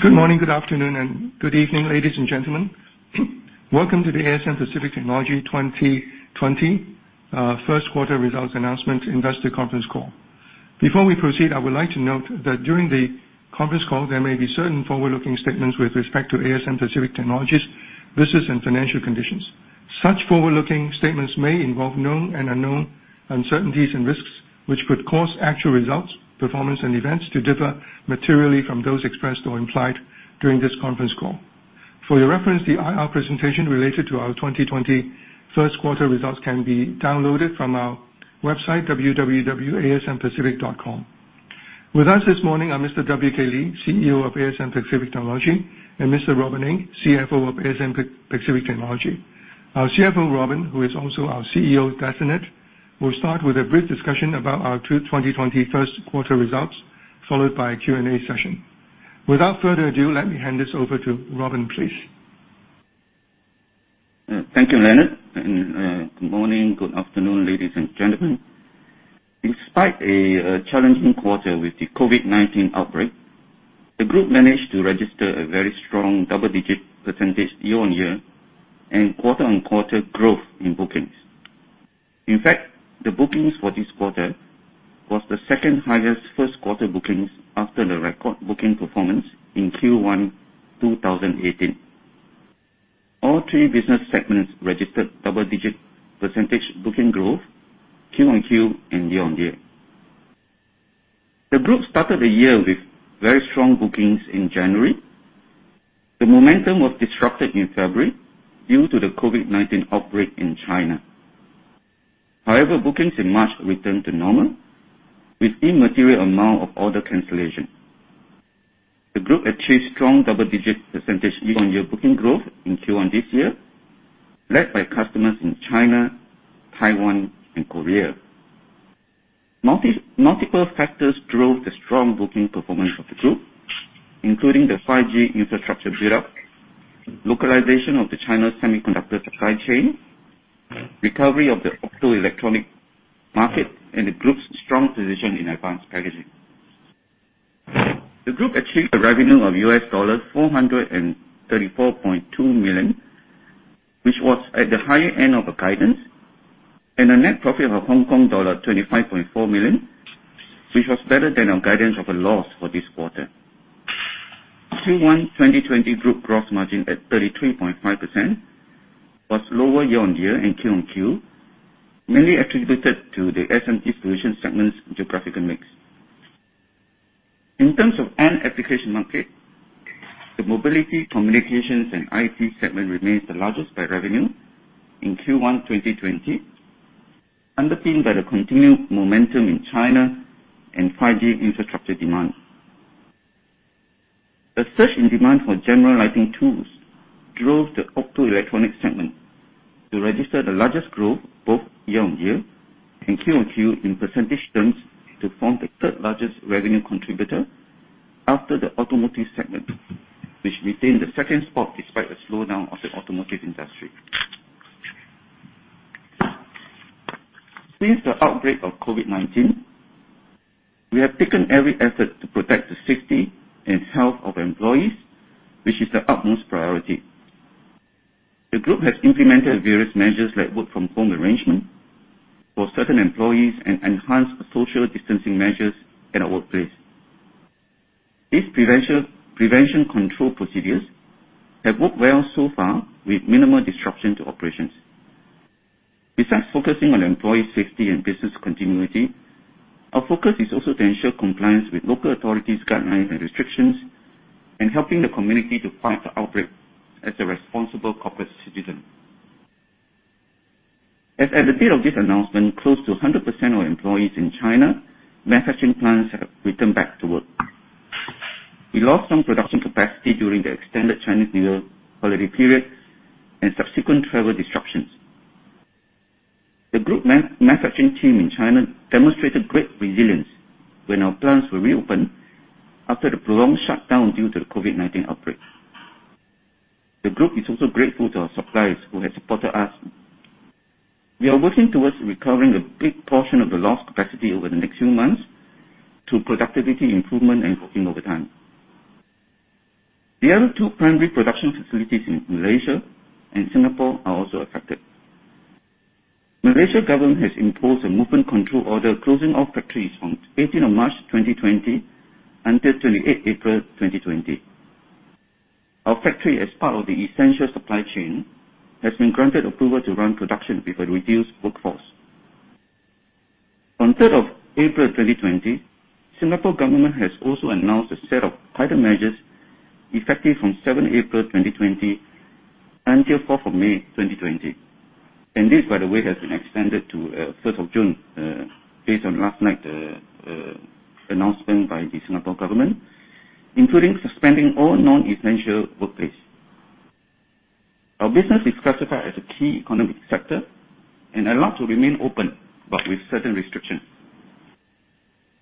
Good morning, good afternoon, and good evening, ladies and gentlemen. Welcome to the ASM Pacific Technology 2020 first quarter results announcement investor conference call. Before we proceed, I would like to note that during the conference call, there may be certain forward-looking statements with respect to ASM Pacific Technology's business and financial conditions. Such forward-looking statements may involve known and unknown uncertainties and risks which could cause actual results, performance, and events to differ materially from those expressed or implied during this conference call. For your reference, the IR presentation related to our 2020 first quarter results can be downloaded from our website, www.asmpacific.com. With us this morning are Mr. W.K. Lee, CEO of ASM Pacific Technology, and Mr. Robin Ng, CFO of ASM Pacific Technology. Our CFO, Robin, who is also our CEO designate, will start with a brief discussion about our 2020 first quarter results, followed by a Q&A session. Without further ado, let me hand this over to Robin, please. Thank you, Leonard. Good morning, good afternoon, ladies and gentlemen. In spite of a challenging quarter with the COVID-19 outbreak, the group managed to register a very strong double-digit percentage year-on-year and quarter-on-quarter growth in bookings. In fact, the bookings for this quarter was the second highest first quarter bookings after the record booking performance in Q1 2018. All three business segments registered double-digit % booking growth Q-on-Q and year-on-year. The group started the year with very strong bookings in January. The momentum was disrupted in February due to the COVID-19 outbreak in China. Bookings in March returned to normal, with immaterial amount of order cancellation. The group achieved strong double-digit % year-on-year booking growth in Q1 this year, led by customers in China, Taiwan, and Korea. Multiple factors drove the strong booking performance of the group, including the 5G infrastructure build-up, localization of the China semiconductor supply chain, recovery of the optoelectronic market, and the group's strong position in advanced packaging. The group achieved a revenue of $434.2 million, which was at the higher end of the guidance, and a net profit of Hong Kong dollar 25.4 million, which was better than our guidance of a loss for this quarter. Q1 2020 group gross margin at 33.5% was lower year on year and Q-on-Q, mainly attributed to the SMT Solutions Segment's geographical mix. In terms of end application market, the mobility, communications, and IoT segment remains the largest by revenue in Q1 2020, underpinned by the continued momentum in China and 5G infrastructure demand. A surge in demand for general lighting tools drove the optoelectronic segment to register the largest growth both year-over-year and quarter-over-quarter in percentage terms to form the third largest revenue contributor after the automotive segment, which retained the second spot despite the slowdown of the automotive industry. Since the outbreak of COVID-19, we have taken every effort to protect the safety and health of employees, which is the utmost priority. The group has implemented various measures like work from home arrangement for certain employees and enhanced social distancing measures at our workplace. These prevention control procedures have worked well so far with minimal disruption to operations. Besides focusing on employee safety and business continuity, our focus is also to ensure compliance with local authorities' guidelines and restrictions and helping the community to fight the outbreak as a responsible corporate citizen. As at the date of this announcement, close to 100% of employees in China manufacturing plants have returned back to work. We lost some production capacity during the extended Chinese New Year holiday period and subsequent travel disruptions. The group manufacturing team in China demonstrated great resilience when our plants were reopened after the prolonged shutdown due to the COVID-19 outbreak. The group is also grateful to our suppliers who have supported us. We are working towards recovering a big portion of the lost capacity over the next few months through productivity improvement and working overtime. The other two primary production facilities in Malaysia and Singapore are also affected. Malaysia government has imposed a Movement Control Order closing all factories from 18th of March 2020 until 28th April 2020. Our factory, as part of the essential supply chain, has been granted approval to run production with a reduced workforce. On 3rd of April 2020, Singapore government has also announced a set of tighter measures effective from 7 April 2020 until 4th of May 2020. This, by the way, has been extended to 1st of June based on last night announcement by the Singapore government, including suspending all non-essential workplace. Our business is classified as a key economic sector and allowed to remain open, but with certain restrictions.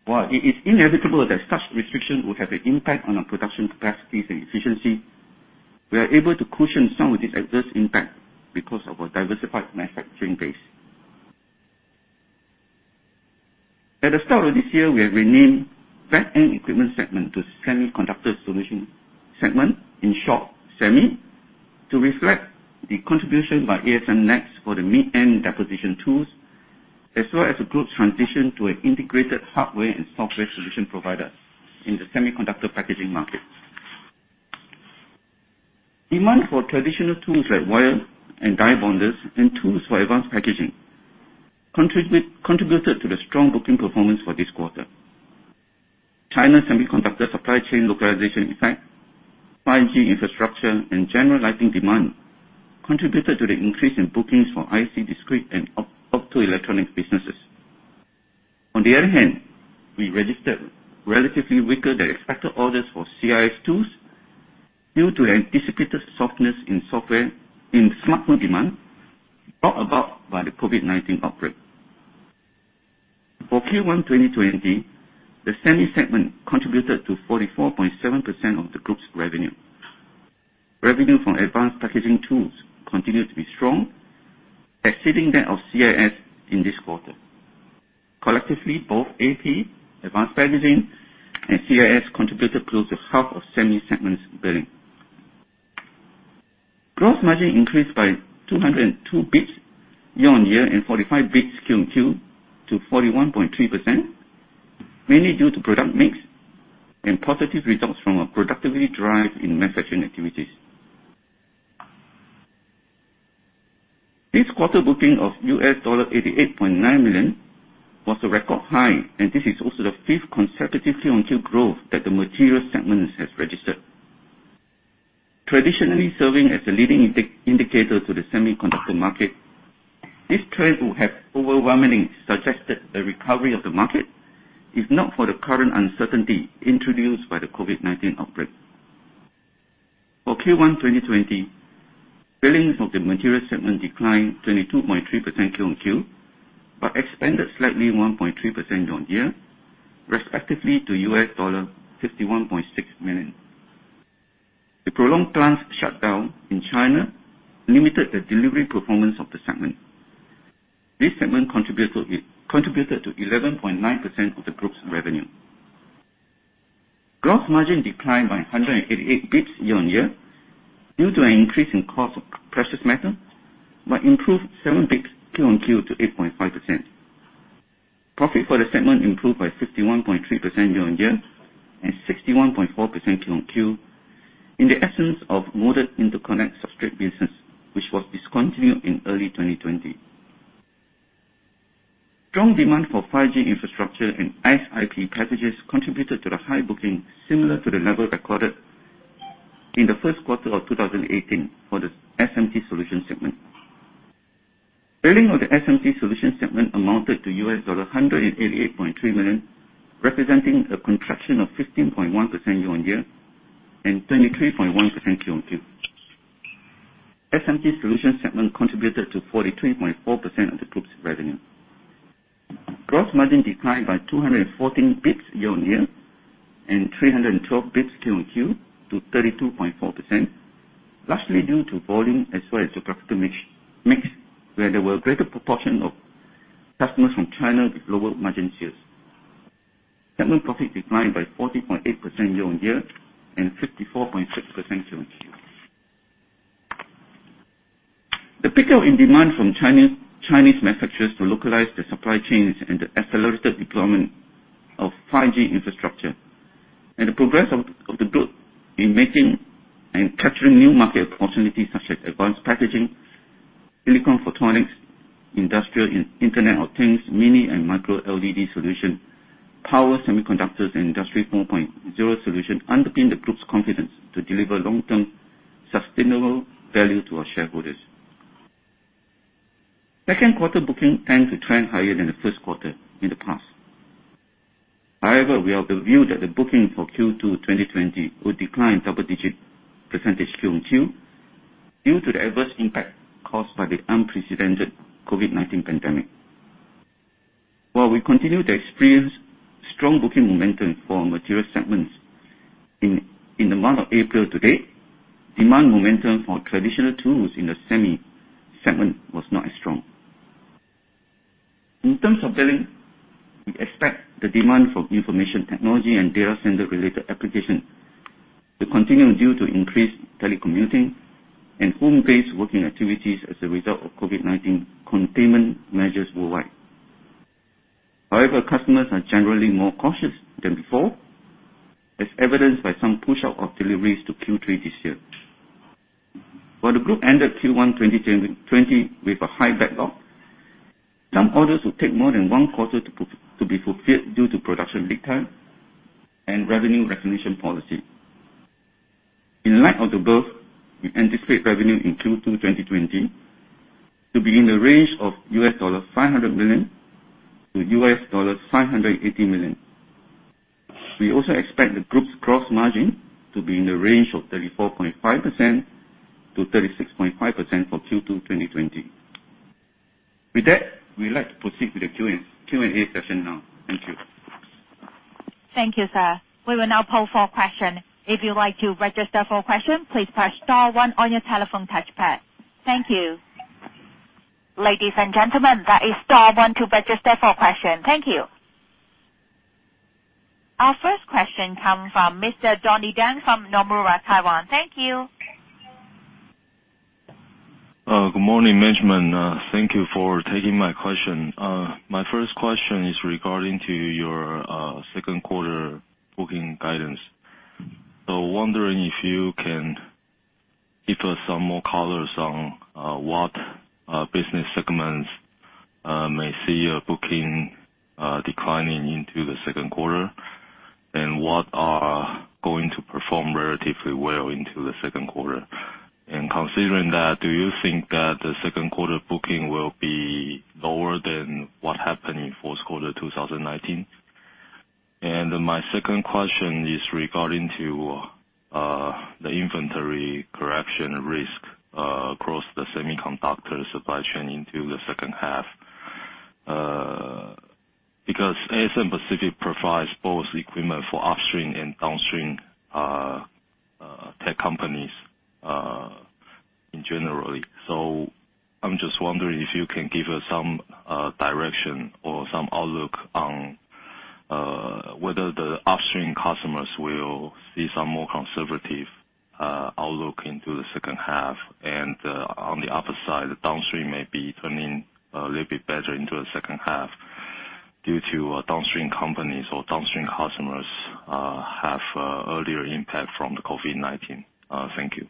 While it is inevitable that such restrictions will have an impact on our production capacities and efficiency, we are able to cushion some of this adverse impact because of our diversified manufacturing base. At the start of this year, we have renamed Back-end Equipment Segment to Semiconductor Solutions Segment, in short, Semi, to reflect the contribution by ASMPT NEXX for the mid-end deposition tools, as well as the group's transition to an integrated hardware and software solution provider in the semiconductor packaging market. Demand for traditional tools like wire and die bonders and tools for advanced packaging contributed to the strong booking performance for this quarter. China semiconductor supply chain localization effect, 5G infrastructure, and general lighting demand contributed to the increase in bookings for IC discrete and optoelectronic businesses. On the other hand, we registered relatively weaker than expected orders for CIS tools due to anticipated softness in smartphone demand brought about by the COVID-19 outbreak. For Q1 2020, the Semi Segment contributed to 44.7% of the group's revenue. Revenue from advanced packaging tools continued to be strong, exceeding that of CIS in this quarter. Collectively, both AP, advanced packaging, and CIS contributed close to half of Semi Segment's billing. Gross margin increased by 202 basis points year-on-year and 45 basis points Q-on-Q to 41.3%, mainly due to product mix and positive results from a productivity drive in manufacturing activities. This quarter booking of $88.9 million was a record high, and this is also the fifth consecutive Q-on-Q growth that the Materials Segment has registered. Traditionally serving as a leading indicator to the semiconductor market, this trend would have overwhelmingly suggested the recovery of the market, if not for the current uncertainty introduced by the COVID-19 outbreak. For Q1 2020, billings of the Materials Segment declined 22.3% Q-on-Q but expanded slightly 1.3% year-on-year, respectively to $51.6 million. The prolonged plant shutdown in China limited the delivery performance of the segment. This segment contributed to 11.9% of the group's revenue. Gross margin declined by 188 basis points year-on-year due to an increase in cost of precious metal, but improved seven basis points Q-on-Q to 8.5%. Profit for the segment improved by 61.3% year-on-year and 61.4% Q-on-Q in the absence of molded interconnect substrate business, which was discontinued in early 2020. Strong demand for 5G infrastructure and SiP packages contributed to the high booking, similar to the level recorded in the first quarter of 2018 for the SMT Solutions Segment. Billing of the SMT Solutions Segment amounted to US$188.3 million, representing a contraction of 15.1% year-on-year and 23.1% Q-on-Q. SMT Solutions Segment contributed to 43.4% of the group's revenue. Gross margin declined by 214 basis points year-on-year and 312 basis points Q-on-Q to 32.4%, largely due to volume as well as geographical mix, where there were a greater proportion of customers from China with lower margin tiers. Segment profit declined by 40.8% year-on-year and 54.6% Q-on-Q. The pickup in demand from Chinese manufacturers to localize their supply chains and the accelerated deployment of 5G infrastructure and the progress of the group in making and capturing new market opportunities, such as advanced packaging, silicon photonics, industrial Internet of Things, mini LED and Micro LED solution, power semiconductors, and Industry 4.0 solution underpin the group's confidence to deliver long-term sustainable value to our shareholders. Second quarter booking tend to trend higher than the first quarter in the past. However, we are of the view that the booking for Q2 2020 will decline double-digit percentage Q-on-Q due to the adverse impact caused by the unprecedented COVID-19 pandemic. While we continue to experience strong booking momentum for Materials Segments in the month of April to date, demand momentum for traditional tools in the Semi Segment was not as strong. In terms of billing, we expect the demand for information technology and data center-related application to continue due to increased telecommuting and home-based working activities as a result of COVID-19 containment measures worldwide. Customers are generally more cautious than before, as evidenced by some push-out of deliveries to Q3 this year. While the group ended Q1 2020 with a high backlog, some orders will take more than one quarter to be fulfilled due to production lead time and revenue recognition policy. In light of the above, we anticipate revenue in Q2 2020 to be in the range of $500 million-$580 million. We also expect the group's gross margin to be in the range of 34.5%-36.5% for Q2 2020. With that, we'd like to proceed with the Q&A session now. Thank you, sir. We will now poll for question. If you'd like to register for a question, please press star one on your telephone touchpad. Thank you. Ladies and gentlemen, that is star one to register for a question. Thank you. Our first question comes from Mr. Donnie Teng from Nomura Taiwan. Thank you. Good morning, management. Thank you for taking my question. My first question is regarding to your second quarter booking guidance. I am wondering if you can give us some more colors on what business segments may see a booking declining into the second quarter, and what are going to perform relatively well into the second quarter. Considering that, do you think that the second quarter booking will be lower than what happened in fourth quarter 2019? My second question is regarding to the inventory correction risk across the semiconductor supply chain into the second half. ASM Pacific provides both equipment for upstream and downstream tech companies in generally. I'm just wondering if you can give us some direction or some outlook on whether the upstream customers will see some more conservative outlook into the second half. On the upper side, the downstream may be turning a little bit better into the second half due to downstream companies or downstream customers have earlier impact from the COVID-19. Thank you.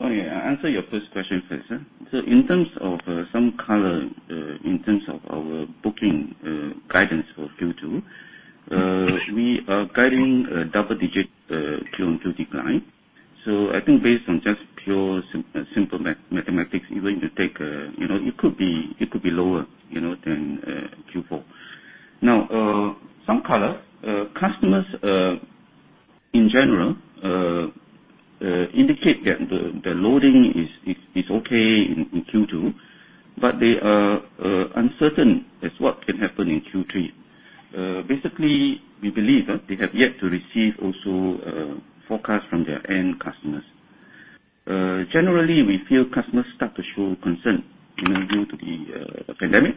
Okay. I answer your first question first. In terms of some color, in terms of our booking guidance for Q2, we are guiding a double-digit Q-on-Q decline. I think based on just pure, simple mathematics, you're going to take, it could be lower, than Q4. Now, some color. Customers, in general, indicate that the loading is okay in Q2, but they are uncertain as what can happen in Q3. Basically, we believe that they have yet to receive also forecast from their end customers. Generally, we feel customers start to show concern due to the pandemic.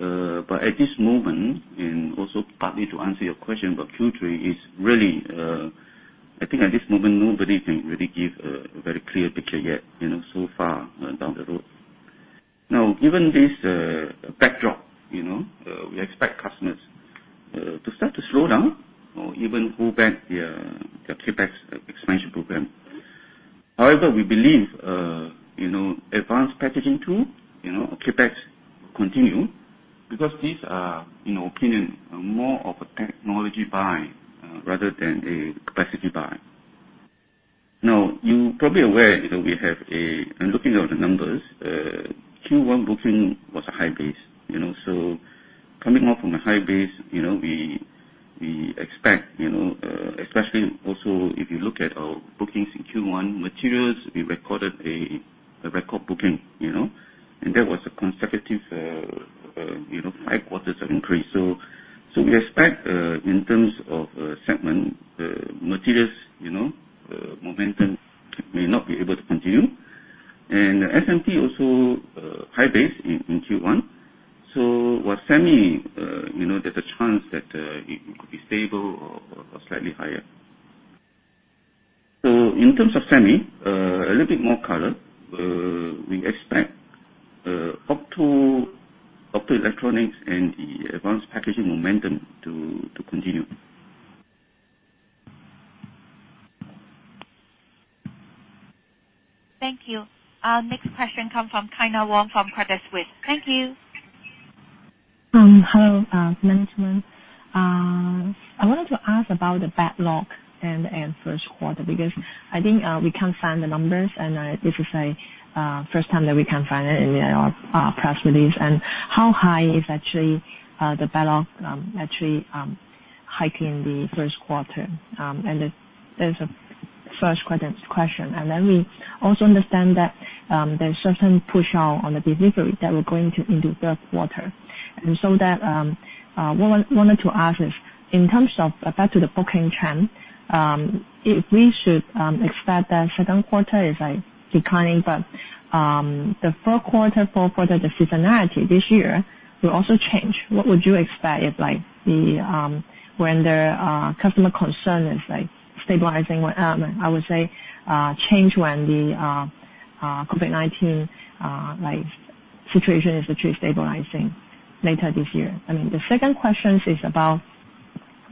At this moment, and also partly to answer your question about Q3 is really, I think at this moment, nobody can really give a very clear picture yet, so far down the road. Given this backdrop, we expect customers to start to slow down or even pull back their CapEx expansion program. We believe advanced packaging tool CapEx will continue because these are, in our opinion, more of a technology buy rather than a capacity buy. You're probably aware, I'm looking at the numbers. Q1 booking was a high base. Coming off from a high base, we expect, especially also if you look at our bookings in Q1 Materials, we recorded a record booking. That was a consecutive five quarters of increase. We expect, in terms of segment Materials, momentum may not be able to continue. SMT also high base in Q1. With Semi, there's a chance that it could be stable or slightly higher. In terms of Semi, a little bit more color. We expect optoelectronics and the advanced packaging momentum to continue. Thank you. Our next question come from Kyna Wong from Credit Suisse. Thank you. Hello, management. I wanted to ask about the backlog and first quarter, because I think we can't find the numbers, this is a first time that we can't find it in your press release. How high is actually the backlog like in the first quarter? That's the first question. We also understand that there's certain push on the delivery that we're going into third quarter. Wanted to ask is, in terms of, back to the booking trend, if we should expect that second quarter is declining, but the fourth quarter, for further the seasonality this year will also change. What would you expect when the customer concern is stabilizing? I would say change when the COVID-19 situation is actually stabilizing later this year. The second question is about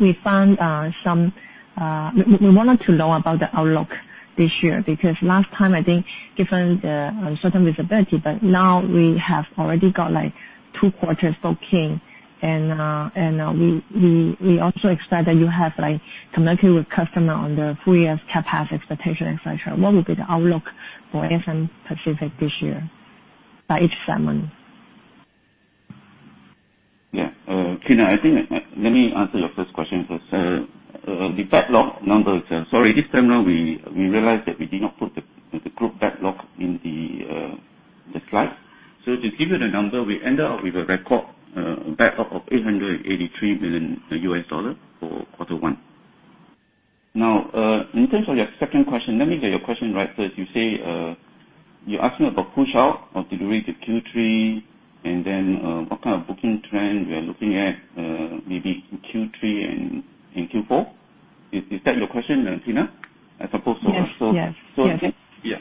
we wanted to know about the outlook this year, because last time, I think given the certain visibility, but now we have already got two quarters booking. We also expect that you have connected with customer on the full year's CapEx expectation, et cetera. What would be the outlook for ASM Pacific this year by each segment? Yeah. Kyna, I think let me answer your first question first. The backlog numbers, sorry, this time around, we realized that we did not put the group backlog in the slide. To give you the number, we ended up with a record backlog of $883 million for quarter one. In terms of your second question, let me get your question right first. You asked me about push out or delivery to Q3, and then what kind of booking trend we are looking at, maybe in Q3 and in Q4. Is that your question, Kyna? I suppose so. Yes. Yeah.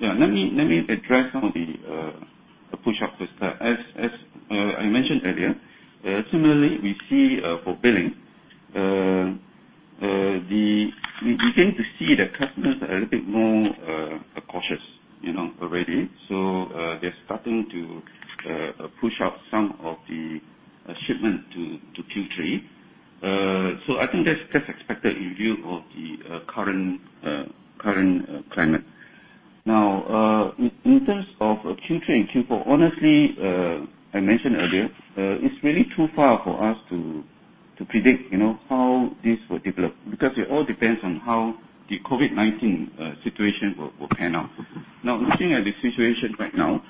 Let me address some of the pushout. As I mentioned earlier, similarly, we see fulfilling. We begin to see the customers are a little bit more cautious already. They're starting to push out some of the shipment to Q3. I think that's expected in view of the current climate. Now, in terms of Q3 and Q4, honestly, I mentioned earlier, it's really too far for us to predict how this will develop, because it all depends on how the COVID-19 situation will pan out. Now, looking at the situation right now,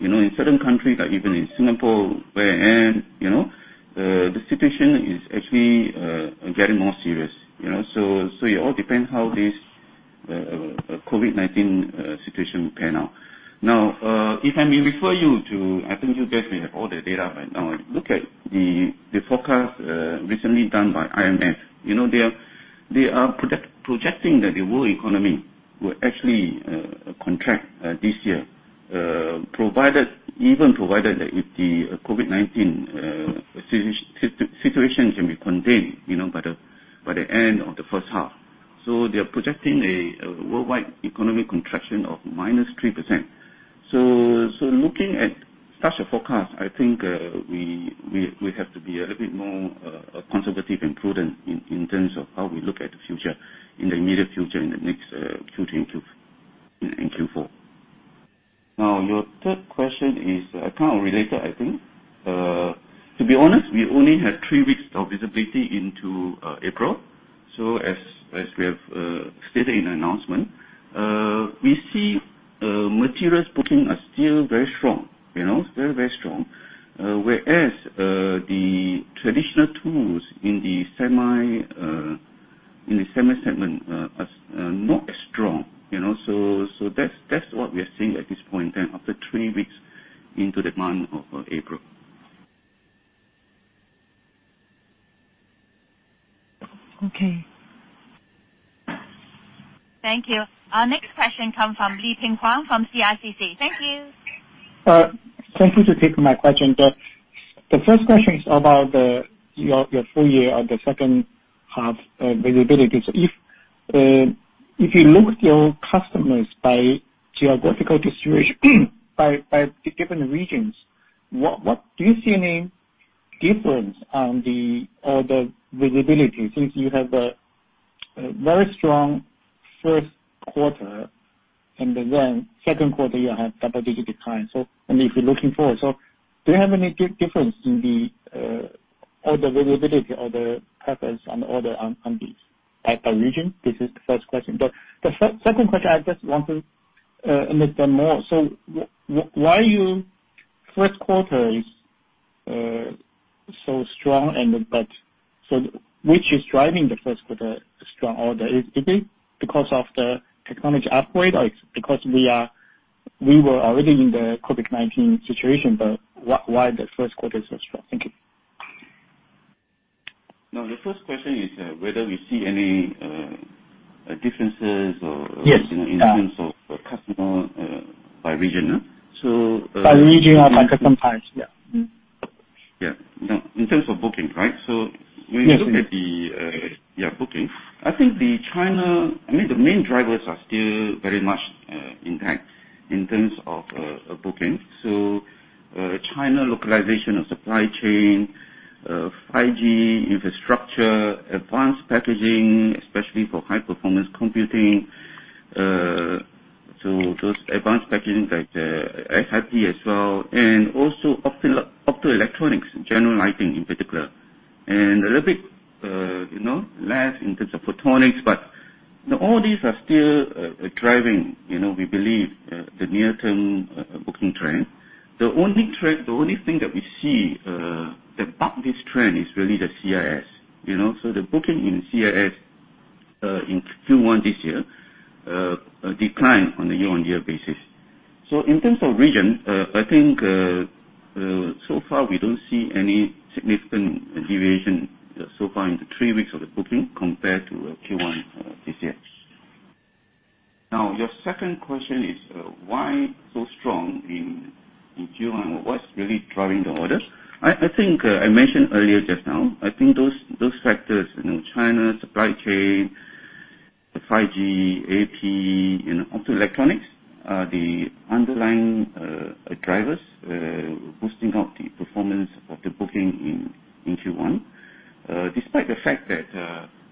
in certain countries, like even in Singapore where I am, the situation is actually getting more serious. It all depends how this COVID-19 situation will pan out. Now, if I may refer you to, I think you guys may have all the data by now. Look at the forecast recently done by IMF. They are projecting that the world economy will actually contract this year, even provided that if the COVID-19 situation can be contained by the end of the first half. They're projecting a worldwide economic contraction of minus 3%. Looking at such a forecast, I think we have to be a little bit more conservative and prudent in terms of how we look at the future, in the immediate future, in the next Q3 and Q4. Your third question is kind of related, I think. To be honest, we only have three weeks of visibility into April. As we have stated in the announcement, we see Materials booking are still very strong. Very, very strong. Whereas, the traditional tools in the Semi Segment are not as strong. That's what we're seeing at this point in time, after three weeks into the month of April. Okay. Thank you. Our next question come from Leping Huang from CICC. Thank you. Thank you to take my question. The first question is about your full year or the second half visibility. If you look at your customers by geographical distribution by the different regions, what do you see any difference on the visibility since you have a very strong first quarter, and then second quarter you have double-digit decline. If you're looking forward, do you have any difference in the order visibility or the purpose on the order on this by region? This is the first question. The second question, I just want to understand more. Why first quarter is so strong which is driving the first quarter strong order? Is it because of the economic upgrade or it's because we were already in the COVID-19 situation, why the first quarter is so strong? Thank you. The first question is whether we see any differences. Yes. in terms of customer by region. By region or by, yeah. Yeah. Now, in terms of booking, right? Yes. You look at the booking, I think the China main drivers are still very much intact in terms of booking. China localization of supply chain, 5G infrastructure, advanced packaging, especially for high performance computing. Those advanced packaging like the FHP as well, and also optoelectronics, general lighting in particular. A little bit less in terms of photonics, but all these are still driving, we believe, the near term booking trend. The only thing that we see that buck this trend is really the CIS. The booking in CIS, in Q1 this year, decline on a year-on-year basis. In terms of region, I think so far, we don't see any significant deviation so far into three weeks of the booking compared to Q1 this year. Your second question is why so strong in Q1? What's really driving the orders? I think I mentioned earlier just now, I think those factors, China, supply chain, the 5G, AP, optoelectronics, are the underlying drivers boosting up the performance of the booking in Q1. Despite the fact that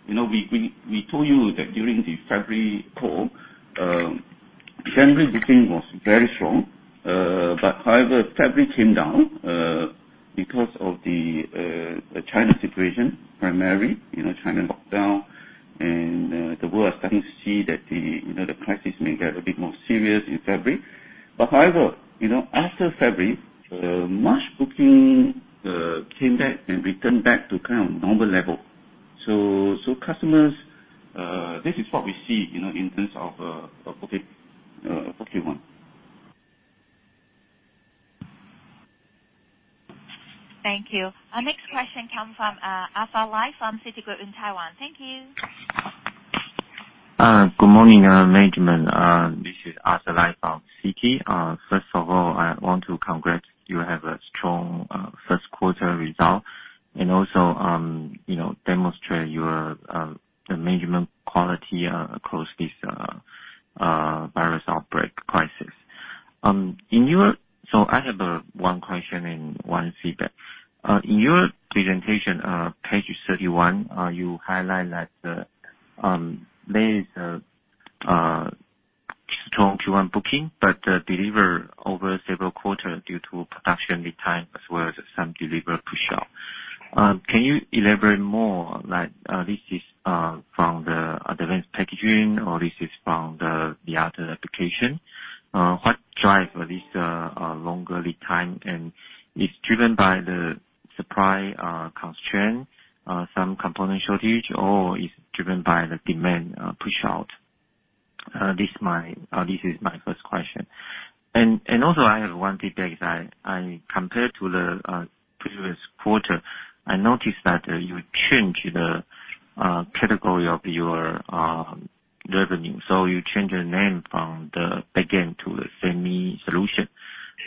we told you that during the February call, January booking was very strong. However, February came down because of the China situation, primarily. China lockdown and the world is starting to see that the crisis may get a bit more serious in February. However, after February, March booking came back and returned back to kind of normal level. Customers, this is what we see, in terms of booking one. Thank you. Our next question comes from Arthur Lai from Citigroup in Taiwan. Thank you. Good morning, management. This is Arthur Lai from Citi. First of all, I want to congratulate you. You have a strong first quarter result, and also demonstrate your management quality across this virus outbreak crisis. I have one question and one feedback. In your presentation, page 31, you highlight that there is a strong Q1 booking, but deliver over several quarters due to production lead time as well as some deliver push out. Can you elaborate more, like, this is from the advanced packaging or this is from the other application? What drive this longer lead time? It's driven by the supply constraint, some component shortage, or it's driven by the demand push out? This is my first question. I have one feedback that I compared to the previous quarter, I noticed that you changed the category of your revenue. You changed the name from the Back-end to the Semi Solutions.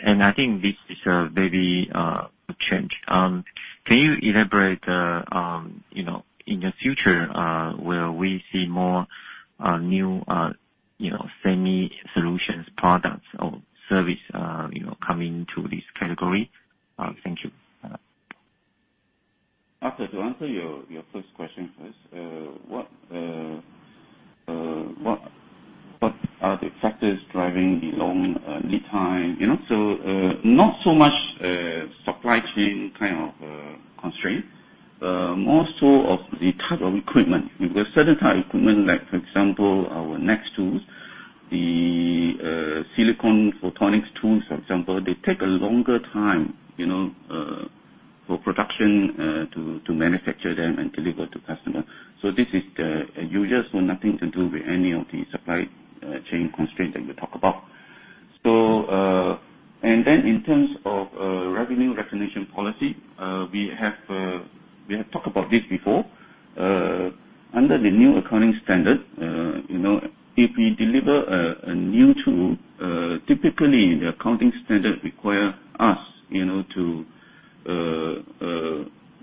I think this is maybe a change. Can you elaborate, in the future, will we see more new Semi Solutions products or service coming to this category? Thank you. Arthur, to answer your first question first. What are the factors driving the long lead time? Not so much supply chain kind of constraint. More so of the type of equipment. Certain type equipment, like for example, our NEXX tools, the silicon photonics tools, for example, they take a longer time for production to manufacture them and deliver to customer. This is the usual. Nothing to do with any of the supply chain constraints that we talk about. In terms of revenue recognition policy, we have talked about this before. Under the new accounting standard, if we deliver a new tool, typically, the accounting standard require us to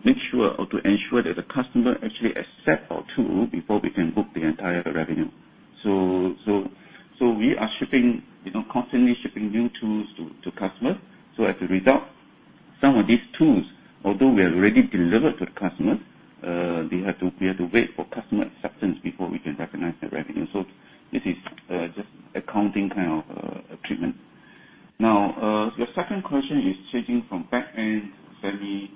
make sure or to ensure that the customer actually accept our tool before we can book the entire revenue. We are constantly shipping new tools to customers. As a result, some of these tools, although we have already delivered to the customers, we have to wait for customer acceptance before we can recognize the revenue. This is just accounting kind of treatment. Your second question is changing from Back-end, Semi.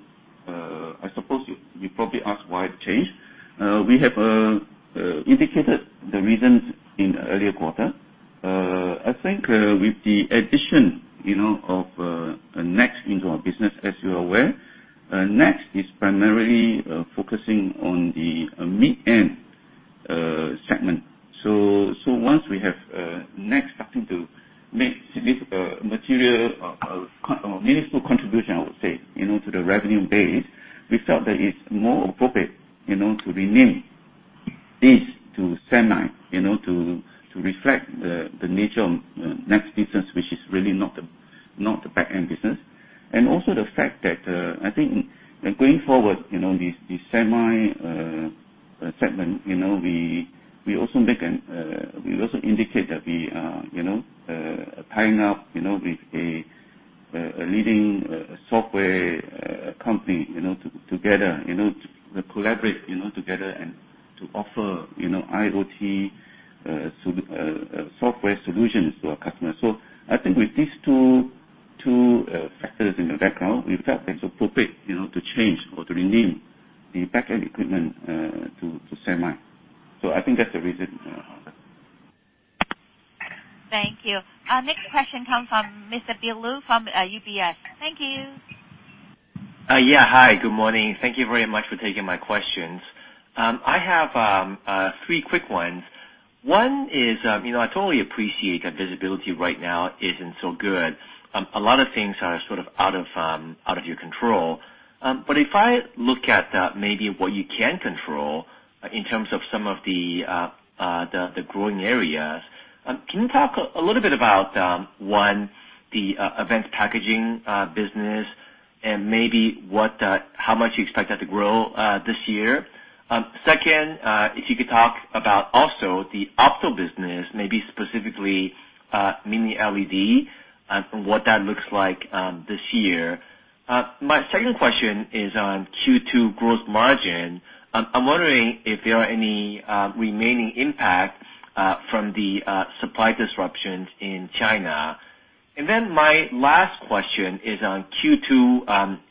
I suppose you probably ask why the change. We have indicated the reasons in earlier quarter. I think with the addition of NEXX into our business, as you're aware. NEXX is primarily focusing on the mid-end segment. Once we have NEXX starting to make material or meaningful contribution, I would say, to the revenue base, we felt that it's more appropriate to rename this to Semi to reflect the nature of NEXX business, which is really not the Back-end business. Also the fact that, I think that going forward, the Semi Segment, we also indicate that we are tying up with a leading software company to collaborate together and to offer IoT software solutions to our customers. I think with these two factors in the background, we felt it's appropriate to change or to rename the Back-end Equipment to Semi. I think that's the reason. Thank you. Our next question comes from Mr. Bill Lu from UBS. Thank you. Yeah. Hi, good morning. Thank you very much for taking my questions. I have three quick ones. One is, I totally appreciate that visibility right now isn't so good. A lot of things are sort of out of your control. If I look at maybe what you can control in terms of some of the growing areas, can you talk a little bit about, one, the advanced packaging business and maybe how much you expect that to grow this year? Second, if you could talk about also the opto business, maybe specifically mini LED and what that looks like this year. My second question is on Q2 gross margin. I'm wondering if there are any remaining impact from the supply disruptions in China. My last question is on Q2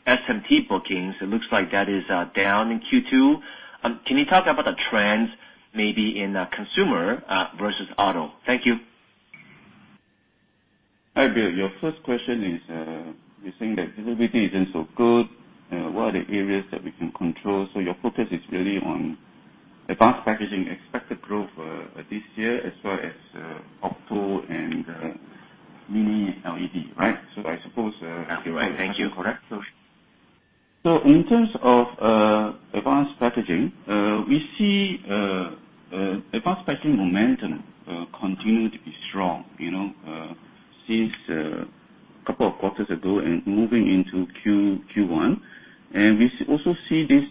SMT bookings. It looks like that is down in Q2. Can you talk about the trends maybe in consumer versus opto? Thank you. Hi, Bill. Your first question is, you're saying that visibility isn't so good and what are the areas that we can control? Your focus is really on advanced packaging expected growth, this year, as well as opto and mini LED, right? Thank you. That's correct. In terms of advanced packaging, we see advanced packaging momentum continue to be strong since a couple of quarters ago and moving into Q1. We also see this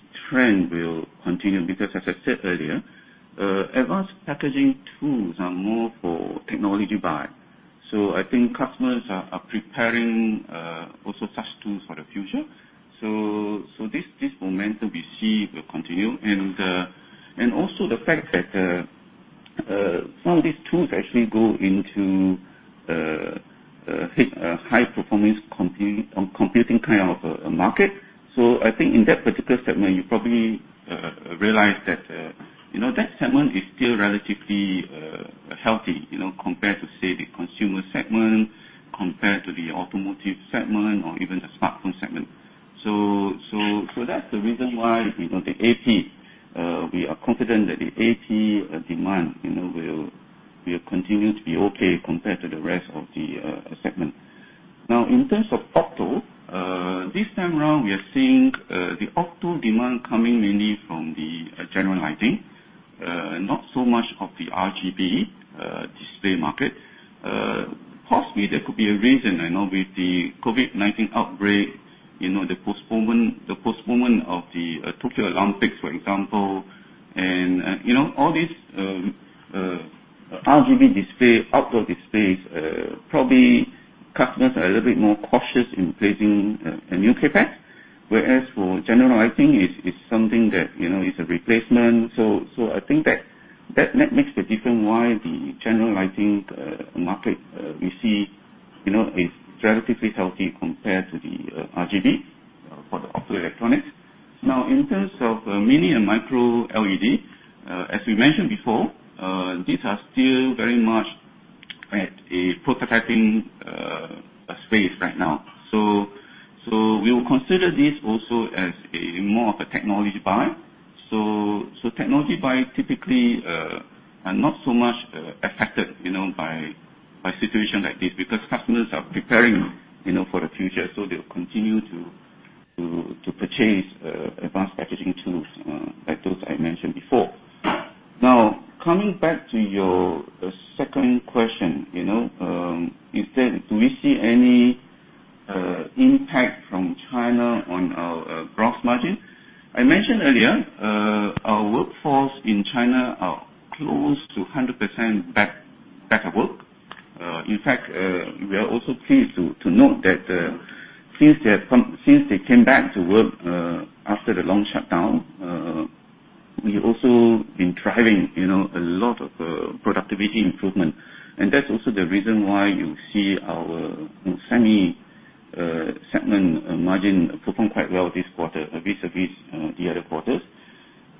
Segment margin perform quite well this quarter vis-à-vis the other quarters.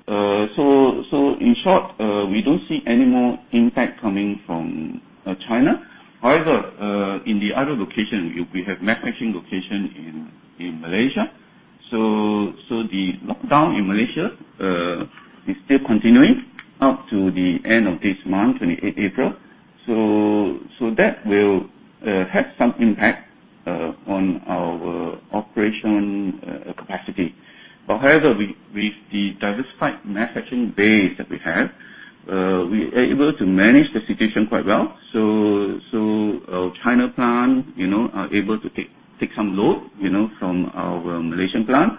In short, we don't see any more impact coming from China. However, in the other location, we have manufacturing location in Malaysia. The lockdown in Malaysia is still continuing up to the end of this month, 28th April. That will have some impact on our operation capacity. However, with the diversified manufacturing base that we have, we are able to manage the situation quite well. Our China plant are able to take some load from our Malaysian plant.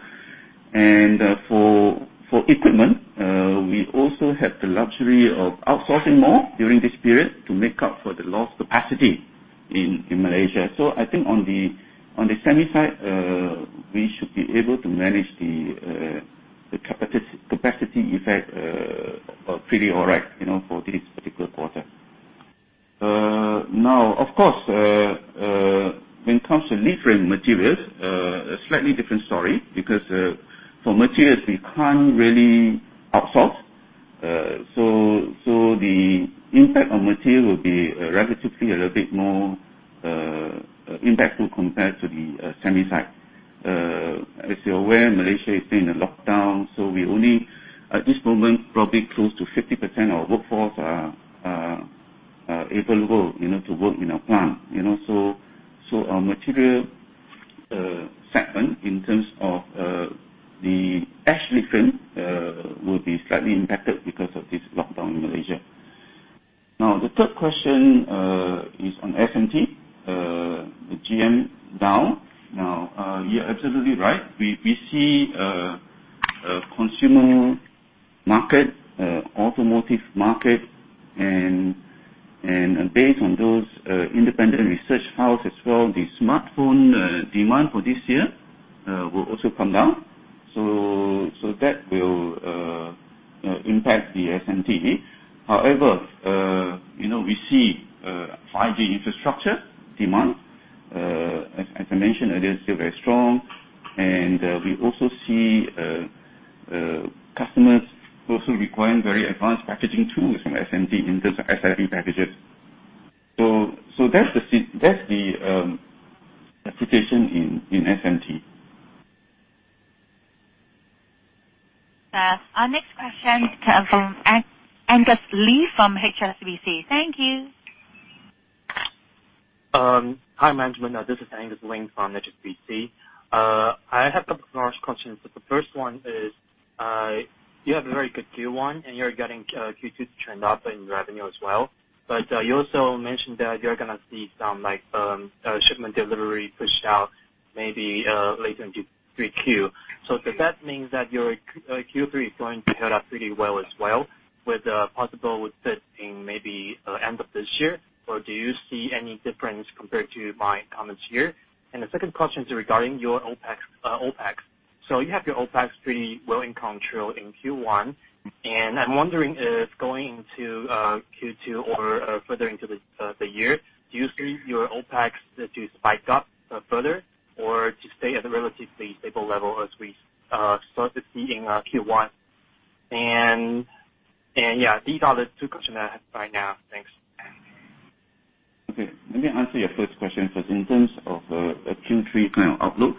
For equipment, we also have the luxury of outsourcing more during this period to make up for the lost capacity in Malaysia. I think on the Semi side, we should be able to manage the capacity effect pretty all right for this particular quarter. Now, of course, when it comes to [lithography] materials, a slightly different story because for materials we can't really outsource. The impact on material will be relatively a little bit more impactful compared to the Semi side. As you're aware, Malaysia is still in a lockdown. We only, at this moment, probably close to 50% of our workforce are able to work in our plant. Our Materials Segment in terms of the will be slightly impacted because of this lockdown in Malaysia. Now, the third question is on SMT, the GM down. Now, you're absolutely right. We see a consumer market, automotive market. Based on those independent research houses as well, the smartphone demand for this year will also come down. That will impact the SMT. However, we see 5G infrastructure demand, as I mentioned earlier, still very strong. We also see customers also requiring very advanced packaging tools from SMT in terms of SiP packages. That's the situation in SMT. Our next question comes from Angus Lee from HSBC. Thank you. Hi, management. This is Angus Lee from HSBC. I have a couple of questions. The first one is, you have a very good Q1 and you're getting Q2 to trend up in revenue as well. You also mentioned that you're going to see some shipment delivery pushed out maybe later into Q3. Does that mean that your Q3 is going to add up pretty well as well with a possible with that in maybe end of this year? Do you see any difference compared to my comments here? The second question is regarding your OpEx. You have your OpEx pretty well in control in Q1. I'm wondering if going into Q2 or further into the year, do you see your OpEx to spike up further or to stay at a relatively stable level as we started seeing Q1? Yeah, these are the two questions I have right now. Thanks. Okay. Let me answer your first question first. In terms of a Q3 kind of outlook.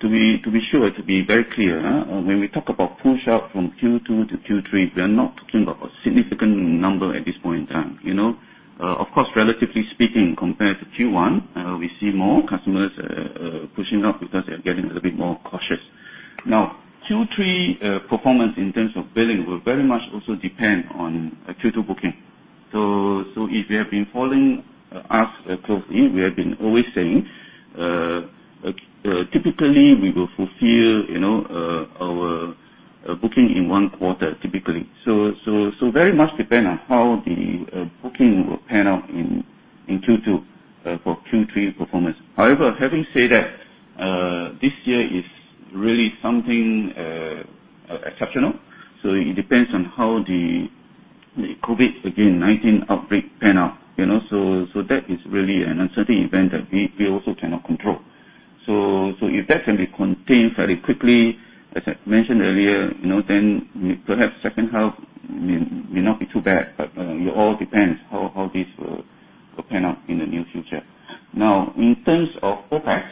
To be sure, to be very clear, when we talk about push out from Q2 to Q3, we are not talking about a significant number at this point in time. Of course, relatively speaking, compared to Q1, we see more customers pushing out because they're getting a little bit more cautious. Q3 performance in terms of billing will very much also depend on Q2 booking. If you have been following us closely, we have been always saying, typically we will fulfill our booking in one quarter, typically. Very much depend on how the booking will pan out in Q2 for Q3 performance. However, having said that, this year is really something exceptional. It depends on how the COVID-19 outbreak pan out. That is really an uncertainty event that we also cannot control. If that can be contained very quickly, as I mentioned earlier, then perhaps second half may not be too bad. It all depends how this will pan out in the near future. In terms of OpEx,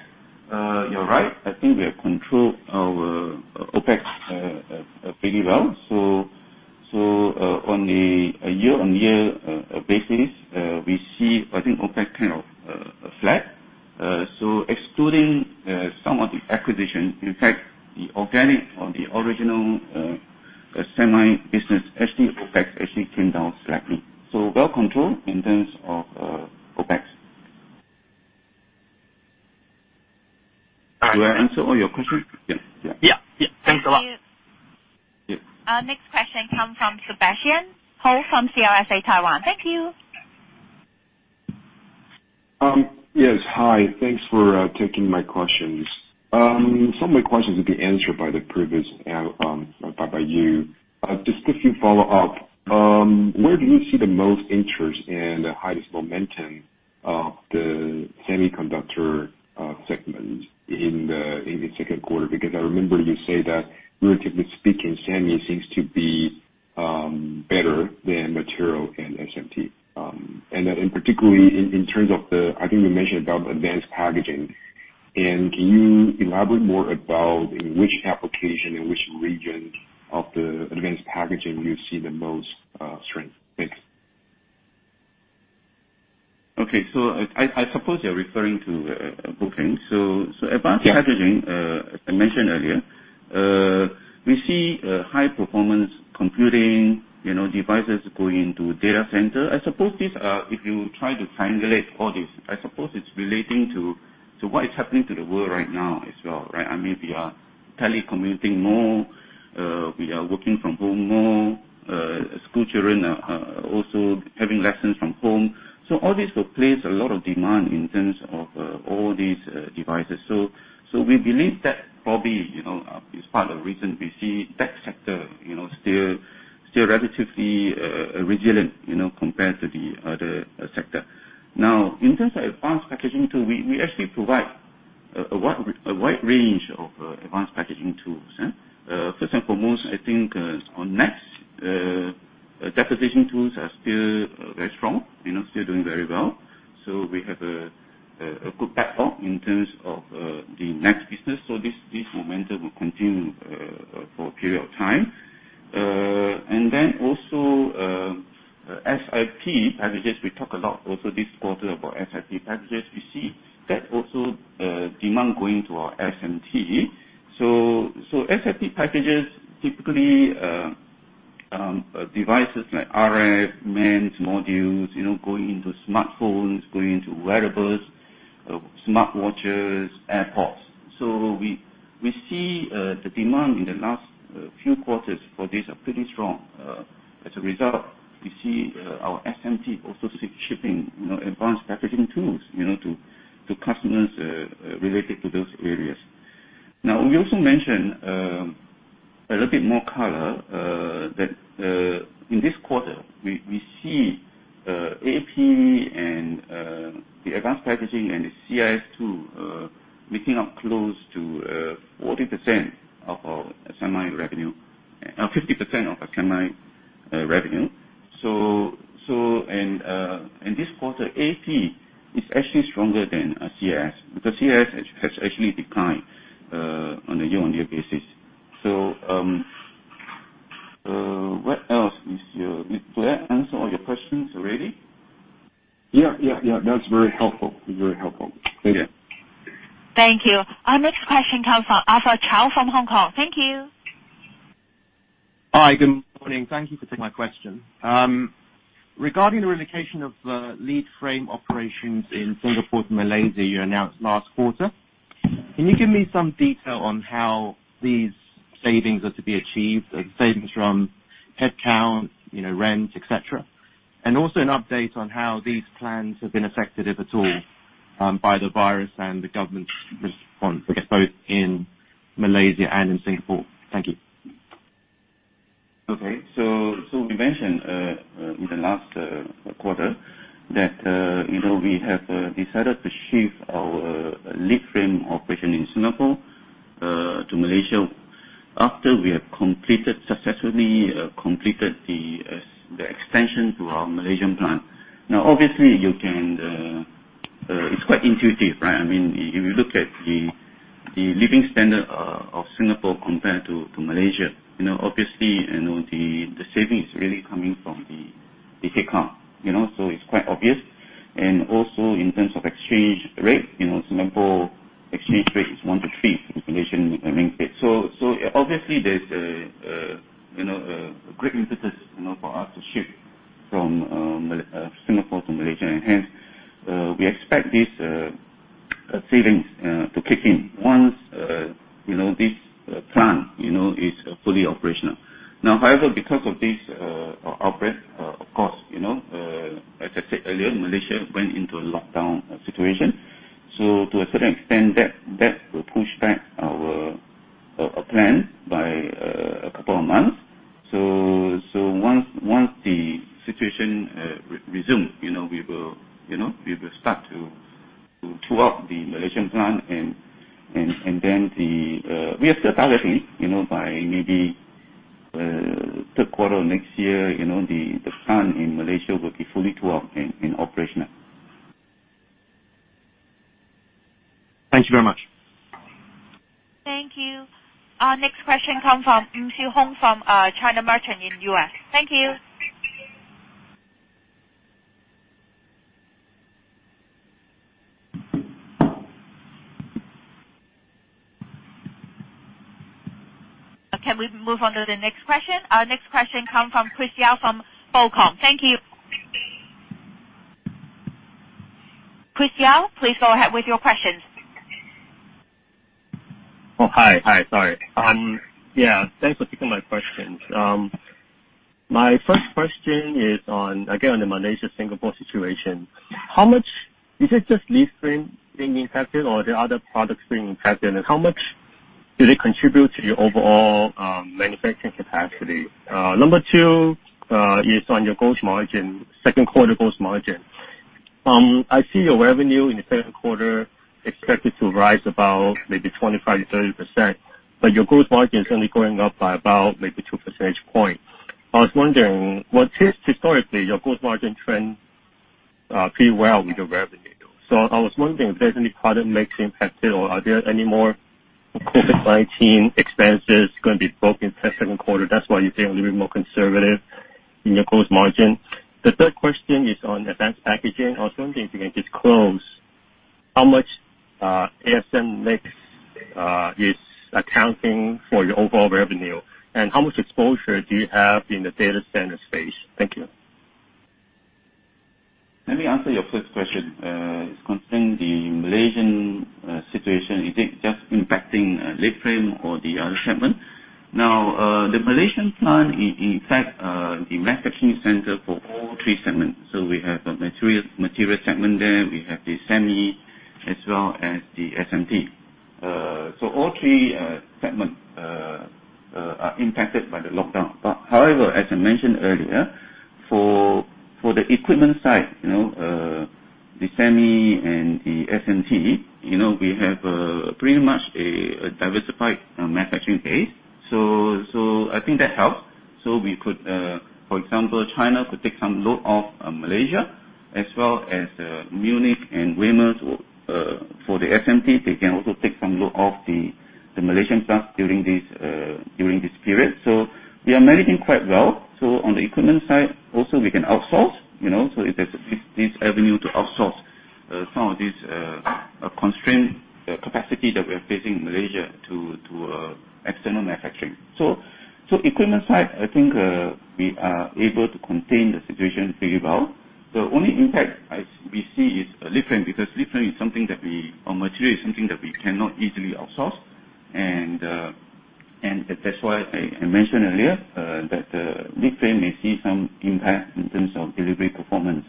you're right. I think we have controlled our OpEx pretty well. On a year-on-year basis, we see, I think OpEx kind of flat. Excluding some of the acquisition, in fact, the organic or the original Semi business, actually OpEx actually came down slightly. Well controlled in terms of OpEx. Did I answer all your questions? Yeah. Yeah. Thanks a lot. Thank you. Yeah. Our next question comes from Sebastian Hou from CLSA Taiwan. Thank you. Yes. Hi. Thanks for taking my questions. Some of my questions have been answered by the previous, by you. Just a few follow-up. Where do you see the most interest and the highest momentum of the Semiconductor segment in the second quarter? Because I remember you say that relatively speaking, Semi seems to be better than Materials and SMT. That in particular in terms of the, I think you mentioned about advanced packaging, and can you elaborate more about in which application, in which region of the advanced packaging you see the most strength? Thanks. Okay. I suppose you're referring to booking. Yeah. Packaging, I mentioned earlier, we see high performance computing devices going into data center. If you try to triangulate all this, I suppose it's relating to what is happening to the world right now as well, right? We are telecommuting more, we are working from home more, school children are also having lessons from home. All this will place a lot of demand in terms of all these devices. We believe that probably, is part of the reason we see that sector still relatively resilient compared to the other sector. In terms of advanced packaging tool, we actually provide a wide range of advanced packaging tools. First and foremost, I think on NEXX, deposition tools are still very strong, still doing very well. We have a good platform in terms of the NEXX business. This momentum will continue for a period of time. Also SiP, I suggest we talk a lot also this quarter about SiP packages. We see that also demand going to our SMT. SiP packages typically devices like RF, [mems] modules, going into smartphones, going into wearables, smart watches, AirPods. We see the demand in the last few quarters for these are pretty strong. As a result, we see our SMT also see shipping advanced packaging tools to customers related to those areas. We also mentioned a little bit more color, that in this quarter, we see AP and the advanced packaging and the CIS, too, making up close to 40% of our Semi revenue, 50% of our Semi revenue. In this quarter, AP is actually stronger than our CIS, because CIS has actually declined on a year-on-year basis. What else? Did that answer all your questions already? Yeah. That's very helpful. Thank you. Thank you. Our next question comes from Chao from Hong Kong. Thank you. Hi. Good morning. Thank you for taking my question. Regarding the relocation of the lead frame operations in Singapore to Malaysia you announced last quarter, can you give me some detail on how these savings are to be achieved, like savings from headcount, rent, et cetera? Also an update on how these plans have been affected, if at all, by the virus and the government's response, I guess, both in Malaysia and in Singapore. Thank you. Okay. We mentioned in the last quarter that we have decided to shift our lead frame operation in Singapore to Malaysia after we have successfully completed the extension to our Malaysian plant. Obviously, it's quite intuitive, right? If you look at the living standard of Singapore compared to Malaysia, obviously, the savings really coming from the headcount. It's quite obvious. In terms of exchange rate, Singapore exchange rate is one to three in Malaysian ringgit. Obviously there's a great impetus for us to shift from Singapore to Malaysia. We expect these savings to kick in once this plant is fully operational. However, because of this outbreak, of course, as I said earlier, Malaysia went into a lockdown situation. To a certain extent, that will push back our plan by a couple of months. Once the situation resumes, we will start to tool up the Malaysian plant. We are still targeting, by maybe third quarter of next year, the plant in Malaysia will be fully tooled up and operational. Thank you very much. Thank you. Our next question come from [Yu Xu] Hong from China Merchant in U.S. Thank you. Can we move on to the next question? Our next question come from Chris Yao from BOCOM. Thank you. Chris Yao, please go ahead with your questions. Oh, hi. Sorry. Yeah. Thanks for taking my questions. My first question is on, again, the Malaysia-Singapore situation. Is it just lead frame being impacted, or are there other products being impacted, and how much do they contribute to your overall manufacturing capacity? Number two is on your second quarter gross margin. I see your revenue in the second quarter expected to rise about maybe 25%-30%, but your gross margin is only going up by about maybe 2 percentage points. I was wondering, historically, your gross margin trend pretty well with your revenue. I was wondering if there's any product mix impacted or are there any more COVID-19 expenses going to be booked in second quarter, that's why you're being a little bit more conservative in your gross margin? The third question is on advanced packaging. I was wondering if you can disclose how much ASM makes is accounting for your overall revenue, and how much exposure do you have in the data center space? Thank you. Let me answer your first question. Concerning the Malaysian situation, is it just impacting lead frame or the other segment? The Malaysian plant is, in fact, the manufacturing center for all three segments. We have the Materials Segment there, we have the Semi, as well as the SMT. All three segments are impacted by the lockdown. However, as I mentioned earlier, for the equipment side, the Semi and the SMT, we have pretty much a diversified manufacturing base. I think that helps. We could, for example, China could take some load off Malaysia as well as Munich and Weymouth for the SMT. They can also take some load off the Malaysian plant during this period. We are managing quite well. On the equipment side, also, we can outsource. If there's this avenue to outsource some of these constraints capacity that we are facing in Malaysia to external manufacturing. Equipment side, I think we are able to contain the situation very well. The only impact we see is a lead frame, because lead frame is something that we, or material, is something that we cannot easily outsource. That's why I mentioned earlier, that the lead frame may see some impact in terms of delivery performance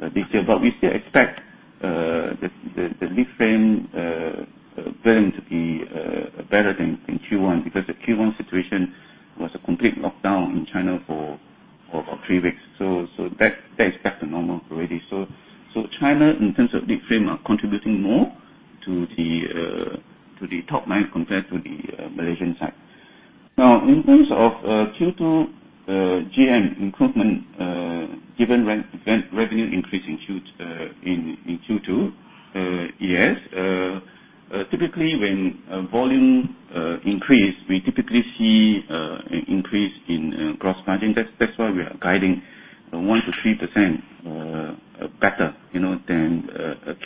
this year. We still expect the lead frame billing to be better than Q1, because the Q1 situation was a complete lockdown in China for about three weeks. That's back to normal already. China, in terms of lead frame, are contributing more to the top line compared to the Malaysian side. Now, in terms of Q2 GM improvement, given revenue increase in Q2, yes. Typically, when volume increases, we typically see an increase in gross margin. That's why we are guiding 1%-3% better than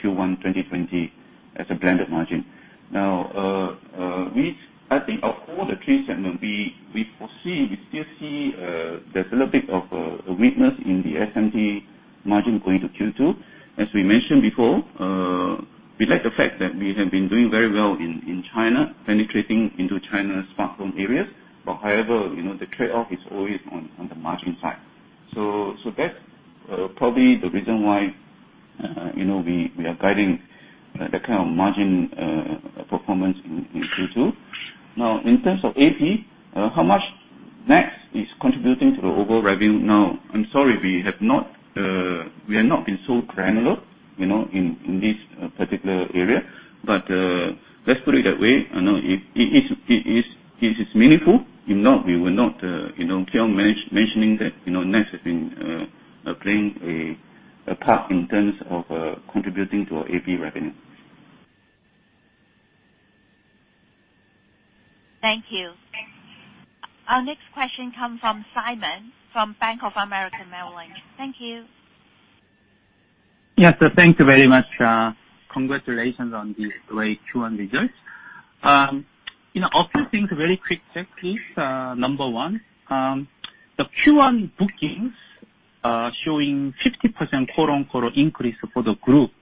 Q1 2020 as a blended margin. I think of all the three segments, we still see there's a little bit of a weakness in the SMT margin going to Q2. As we mentioned before, we like the fact that we have been doing very well in China, penetrating into China's smartphone areas. However, the trade-off is always on the margin side. That's probably the reason why we are guiding that kind of margin performance in Q2. In terms of AP, how much NEXX is contributing to the overall revenue now? I'm sorry we have not been so granular in this particular area. Let's put it that way, I know if it is meaningful. If not, we will not care mentioning that NEXX has been playing a part in terms of contributing to our AP revenue. Thank you. Our next question comes from Simon, from Bank of America Merrill Lynch. Thank you. Yes, thank you very much. Congratulations on the great Q1 results. A few things, very quick check, please. Number one, the Q1 bookings, showing 50% quarter on quarter increase for the group.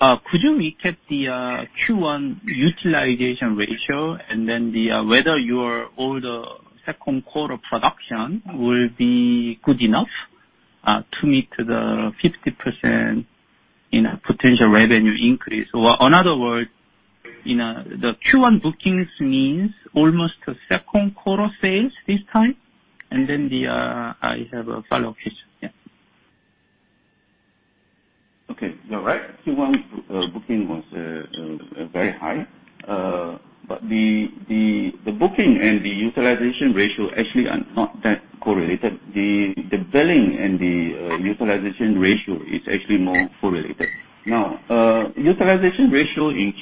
Could you recap the Q1 utilization ratio and then whether your order second quarter production will be good enough, to meet the 50% potential revenue increase? In other words, the Q1 bookings means almost a second quarter sales this time? I have a follow-up question. Yeah. Okay. You're right. Q1 booking was very high. The booking and the utilization ratio actually are not that correlated. The billing and the utilization ratio is actually more correlated. Utilization ratio in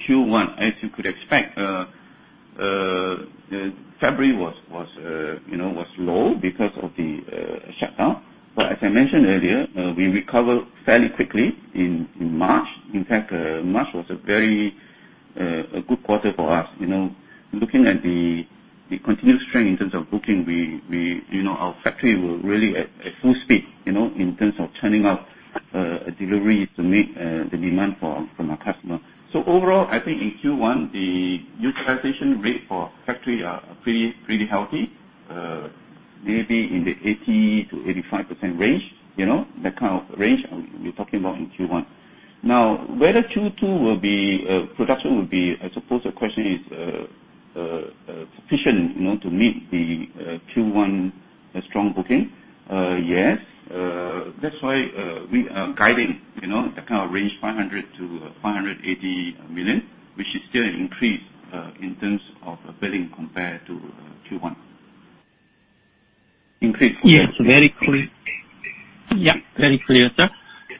Q1, as you could expect, February was low because of the shutdown. As I mentioned earlier, we recovered fairly quickly in March. March was a very good quarter for us. Looking at the continuous trend in terms of booking, our factory were really at full speed, in terms of turning out deliveries to meet the demand from our customer. Overall, I think in Q1, the utilization rate for factory are pretty healthy. Maybe in the 80%-85% range. That kind of range we're talking about in Q1. Whether Q2 production will be, I suppose, the question is sufficient to meet the Q1 strong booking. Yes. That's why we are guiding, that kind of range, $500 million-$580 million, which is still an increase, in terms of billing compared to Q1. Yes, very clear. Yeah, very clear, sir.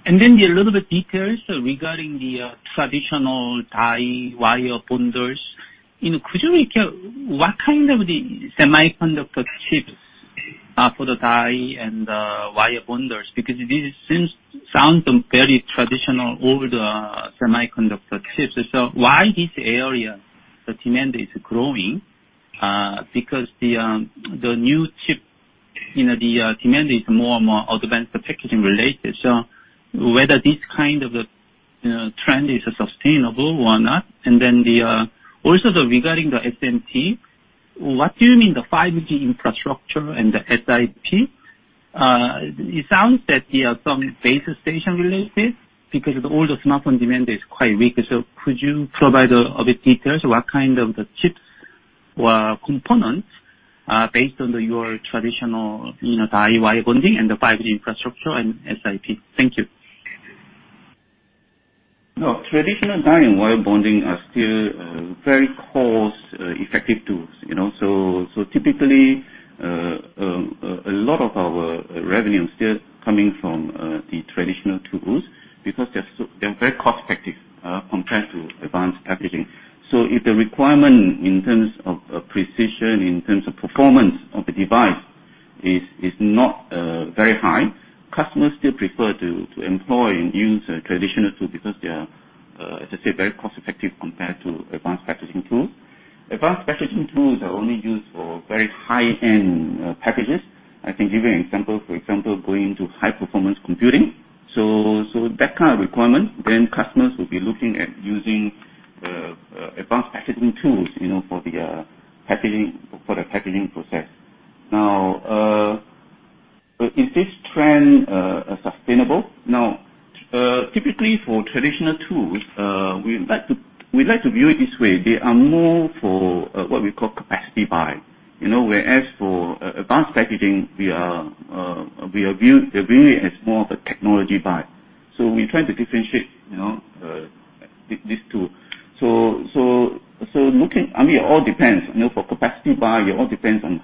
A little bit details regarding the traditional die wire bonders. Could you recap what kind of the semiconductor chips are for the die and the wire bonders? This sounds very traditional over the semiconductor chips. Why this area, the demand is growing? The new chip, the demand is more and more advanced packaging related. Whether this kind of a trend is sustainable or not. Also regarding the SMT, what do you mean the 5G infrastructure and the SiP? It sounds that some base station related, because all the smartphone demand is quite weak. Could you provide a bit details what kind of the chips or components, based on your traditional die wire bonding and the 5G infrastructure and SiP? Thank you. Traditional die and wire bonding are still very cost-effective tools. Typically, a lot of our revenue is still coming from the traditional tools because they're very cost-effective compared to advanced packaging. If the requirement in terms of precision, in terms of performance of the device is not very high, customers still prefer to employ and use traditional tools because they are, as I said, very cost-effective compared to advanced packaging tools. Advanced packaging tools are only used for very high-end packages. I can give you an example. Going into high-performance computing, that kind of requirement, customers will be looking at using advanced packaging tools for the packaging process. Is this trend sustainable? Typically, for traditional tools, we like to view it this way. They are more for what we call capacity buy. Whereas for advanced packaging, we view it as more of a technology buy. We try to differentiate these two. It all depends. For capacity buy, it all depends on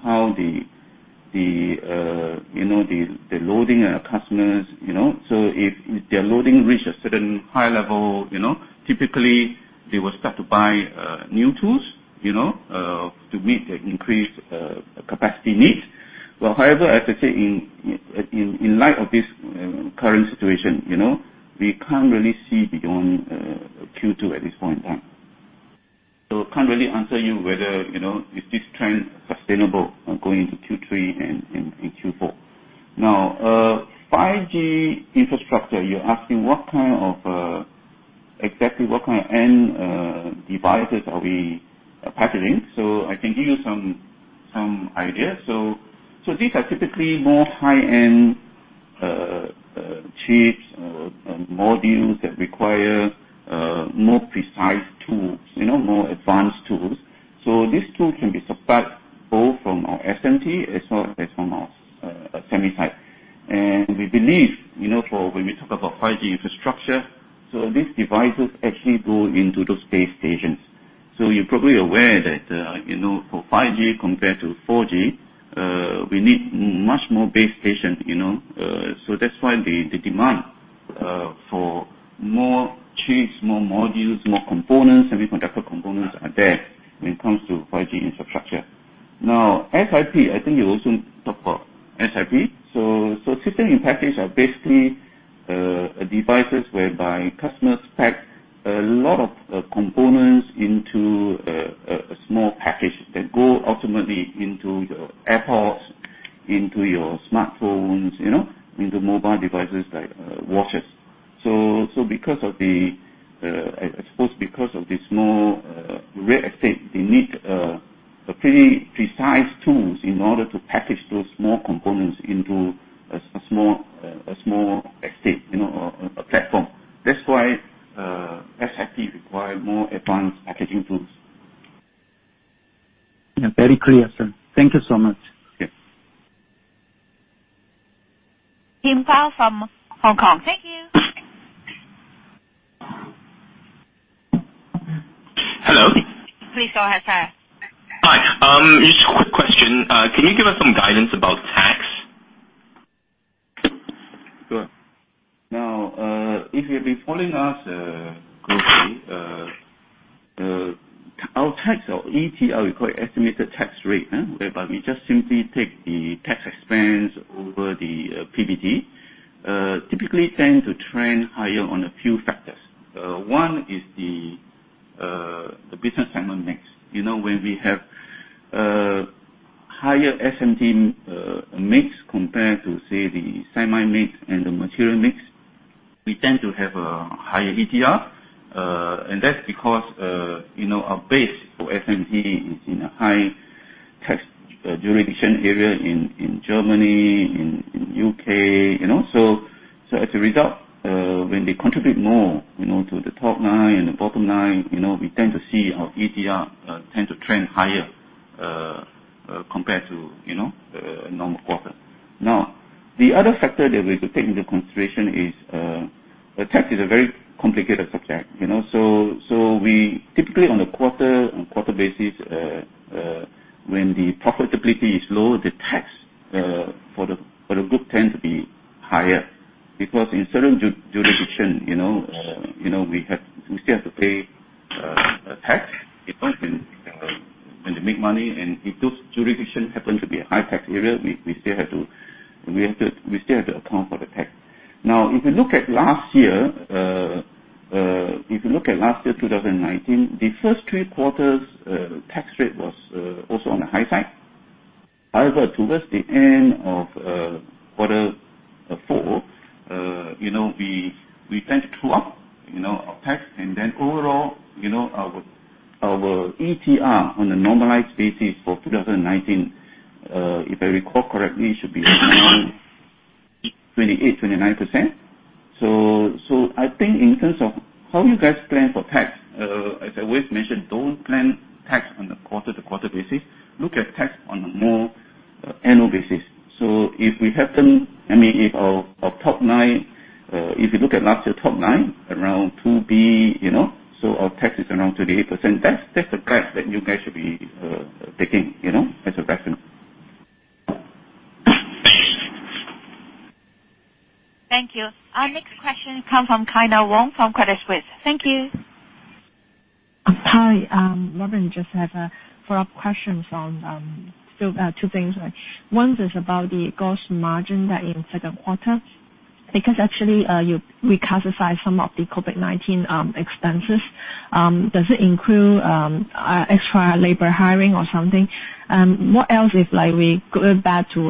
the loading of customers. If their loading reaches a certain high level, typically they will start to buy new tools to meet the increased capacity needs. Well, however, as I said, in light of this current situation, we can't really see beyond Q2 at this point in time. Can't really answer you whether, is this trend sustainable going into Q3 and Q4. Now, 5G infrastructure, you're asking exactly what kind of end devices are we packaging. I can give you some ideas. These are typically more high-end chips or modules that require more precise tools, more advanced tools. These tools can be supplied both from our SMT as well as from our semi-type. We believe, when we talk about 5G infrastructure, so these devices actually go into those base stations. You're probably aware that, for 5G compared to 4G, we need much more base stations. That's why the demand for more chips, more modules, more components, semiconductor components are there when it comes to 5G infrastructure. SiP, I think you also talked about SiP. System in package are basically devices whereby customers pack a lot of components into a small package that go ultimately into your AirPods, into your smartphones, into mobile devices like watches. I suppose because of the small real estate, they need pretty precise tools in order to package those small components into a small estate, a platform. That's why SiP require more advanced packaging tools. Very clear, sir. Thank you so much. Yes. [Tim Gao] from Hong Kong. Thank you. Hello? Please go ahead, sir. Hi. Just a quick question. Can you give us some guidance about tax? Sure. If you've been following us closely, our tax or ETR, we call it estimated tax rate, whereby we just simply take the tax expense over the PBT, typically tend to trend higher on a few factors. One is the business segment mix. When we have a higher SMT mix compared to, say, the Semi mix and the Materials mix, we tend to have a higher ETR. That's because our base for SMT is in a high tax jurisdiction area in Germany, in the U.K. As a result, when they contribute more to the top line and the bottom line, we tend to see our ETR tend to trend higher compared to normal quarter. The other factor that we have to take into consideration is, the tax is a very complicated subject. Typically on a quarter-basis, when the profitability is low, the tax for the group tends to be higher. In certain jurisdictions, we still have to pay a tax when they make money, and if those jurisdictions happen to be a high tax area, we still have to account for the tax. If you look at last year 2019, the first three quarters' tax rate was also on the high side. Towards the end of quarter four, we tend to true up our tax, and then overall, our ETR on a normalized basis for 2019, if I recall correctly, should be around 28%-29%. I think in terms of how you guys plan for tax, as I always mention, don't plan tax on a quarter-to-quarter basis. Look at tax on a more annual basis. If our top line, if you look at last year top line, around $2 billion, our tax is around 38%. That's the guide that you guys should be taking as a reference. Thank you. Our next question comes from Kyna Wong from Credit Suisse. Thank you. Hi. Robin, just have a follow-up question on two things. One is about the gross margin in the second quarter, because actually, you reclassify some of the COVID-19 expenses. Does it include extra labor hiring or something? What else if we go back to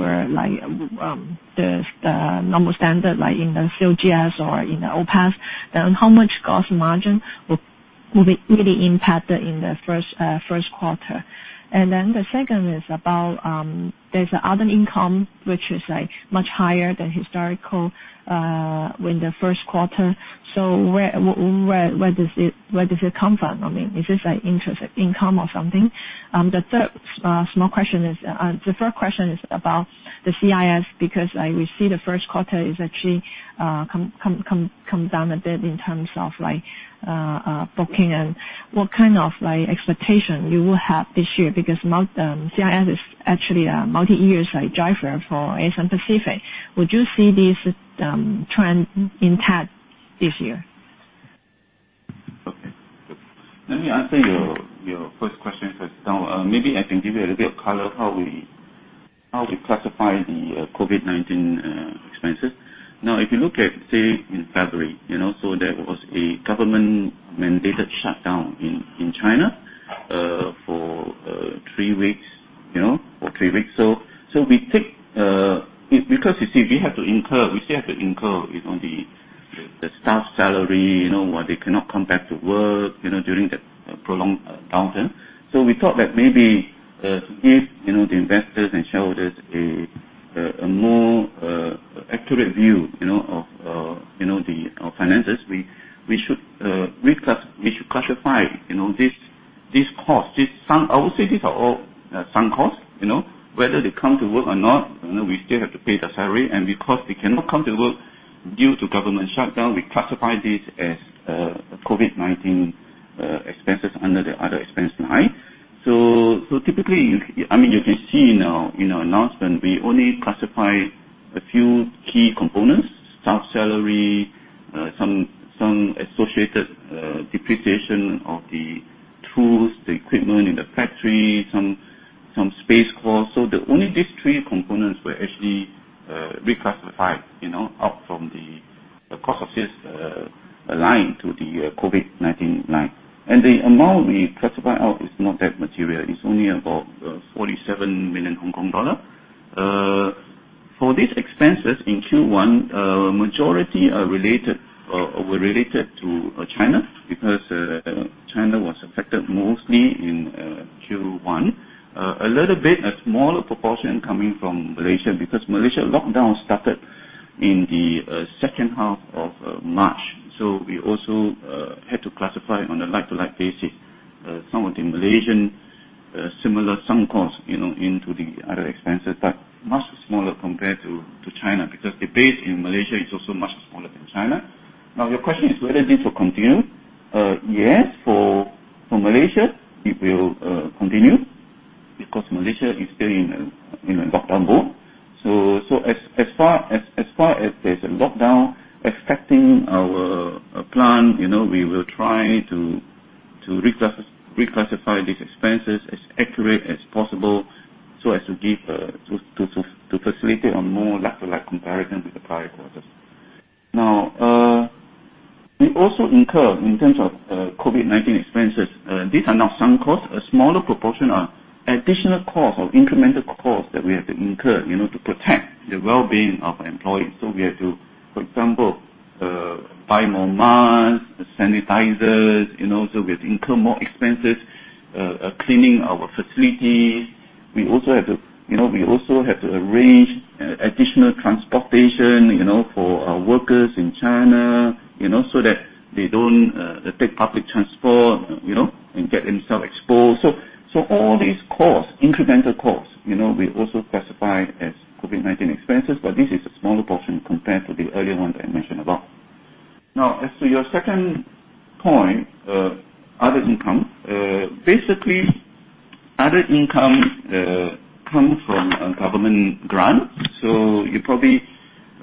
the normal standard, like in the COGS or in the OpEx, then how much gross margin will it really impact in the first quarter? The second is about, there's other income, which is much higher than historical in the first quarter. Where does it come from? Is this interest income or something? The third question is about the CIS, because we see the first quarter actually comes down a bit in terms of booking and what kind of expectation you will have this year, because is actually a multi-year driver for ASM Pacific. Would you see this trend intact this year? Okay. Let me answer your first question first. Maybe I can give you a little bit of color how we classify the COVID-19 expenses. If you look at, say, in February, there was a government-mandated shutdown in China for three weeks. You see, we still have to incur the staff salary, when they cannot come back to work during that prolonged downturn. We thought that maybe to give the investors and shareholders a more accurate view of our finances, we should classify these costs. I would say these are all sunk costs. Whether they come to work or not, we still have to pay the salary. Because they cannot come to work due to government shutdown, we classify this as COVID-19 expenses under the other expense line. Typically, you can see now in our announcement, we only classify a few key components, staff salary, some associated depreciation of the tools, the equipment in the factory, some space costs. Only these three components were actually reclassified, out from the cost of sales line to the COVID-19 line. The amount we classify out is not that material. It's only about 47 million Hong Kong dollar. For these expenses in Q1, majority were related to China because China was affected mostly in Q1. A little bit, a smaller proportion coming from Malaysia because Malaysia lockdown started in the second half of March. We also had to classify on a like-to-like basis some of the Malaysian similar sunk costs into the other expenses, but much smaller compared to China, because the base in Malaysia is also much smaller than China. Your question is whether this will continue. Yes, for Malaysia, it will continue because Malaysia is still in a lockdown mode. As far as there's a lockdown affecting our plan, we will try to reclassify these expenses as accurately as possible so as to facilitate a more like-to-like comparison with the prior quarters. We also incur, in terms of COVID-19 expenses, these are now sunk costs, a smaller proportion are additional costs or incremental costs that we have to incur to protect the well-being of our employees. We have to, for example, buy more masks, sanitizers. We have to incur more expenses cleaning our facilities. We also have to arrange additional transportation for our workers in China, so that they don't take public transport and get themselves exposed. All these costs, incremental costs, we also classify as COVID-19 expenses, but this is a smaller portion compared to the earlier one that I mentioned about. As to your second point, other income. Basically, other income comes from government grants. You probably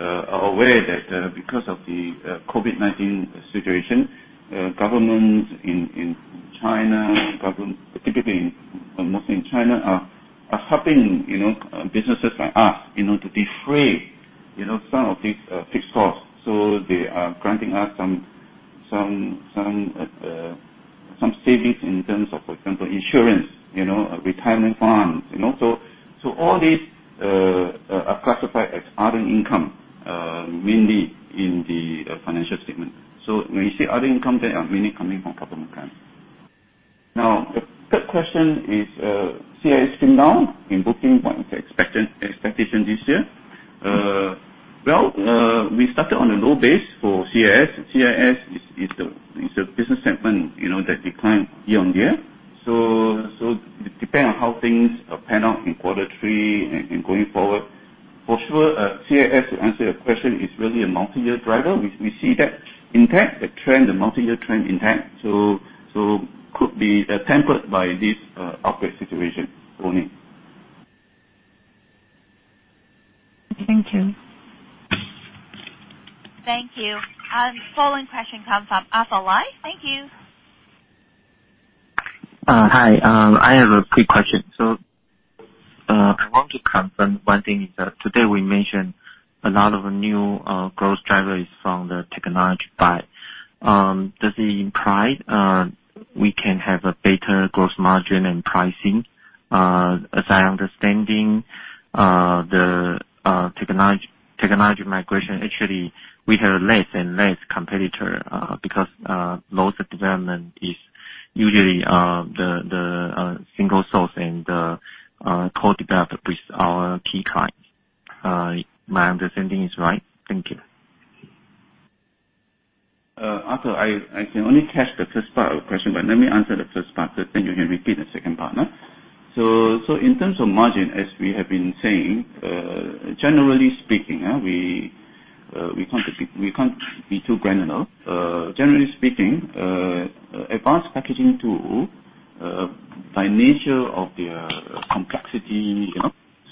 are aware that because of the COVID-19 situation, governments in China, particularly in mainland China, are helping businesses like us to defray some of these fixed costs. They are granting us some savings in terms of, for example, insurance, retirement funds. All these are classified as other income mainly in the financial statement. When you see other income, they are mainly coming from government grants. The third question is CIS came down in booking. What is the expectation this year? Well, we started on a low base for CIS. CIS is a business segment that declined year-on-year. It depends on how things pan out in quarter three and going forward. For sure, CIS, to answer your question, is really a multi-year driver. We see the multi-year trend intact. Could be tempered by this outbreak situation only. Thank you. Thank you. Following question comes from Arthur Lai. Thank you. Hi. I have a quick question. I want to confirm one thing. Today we mentioned a lot of new growth drivers from the technology part. Does it imply we can have a better gross margin and pricing? As I understand, the technology migration, actually, we have less and less competitor because most development is usually the single source and co-developed with our key clients. My understanding is right? Thank you. Arthur, I can only catch the first part of the question, but let me answer the first part, then you can repeat the second part. In terms of margin, as we have been saying, generally speaking, we can't be too granular. Generally speaking, advanced packaging tool, by nature of their complexity,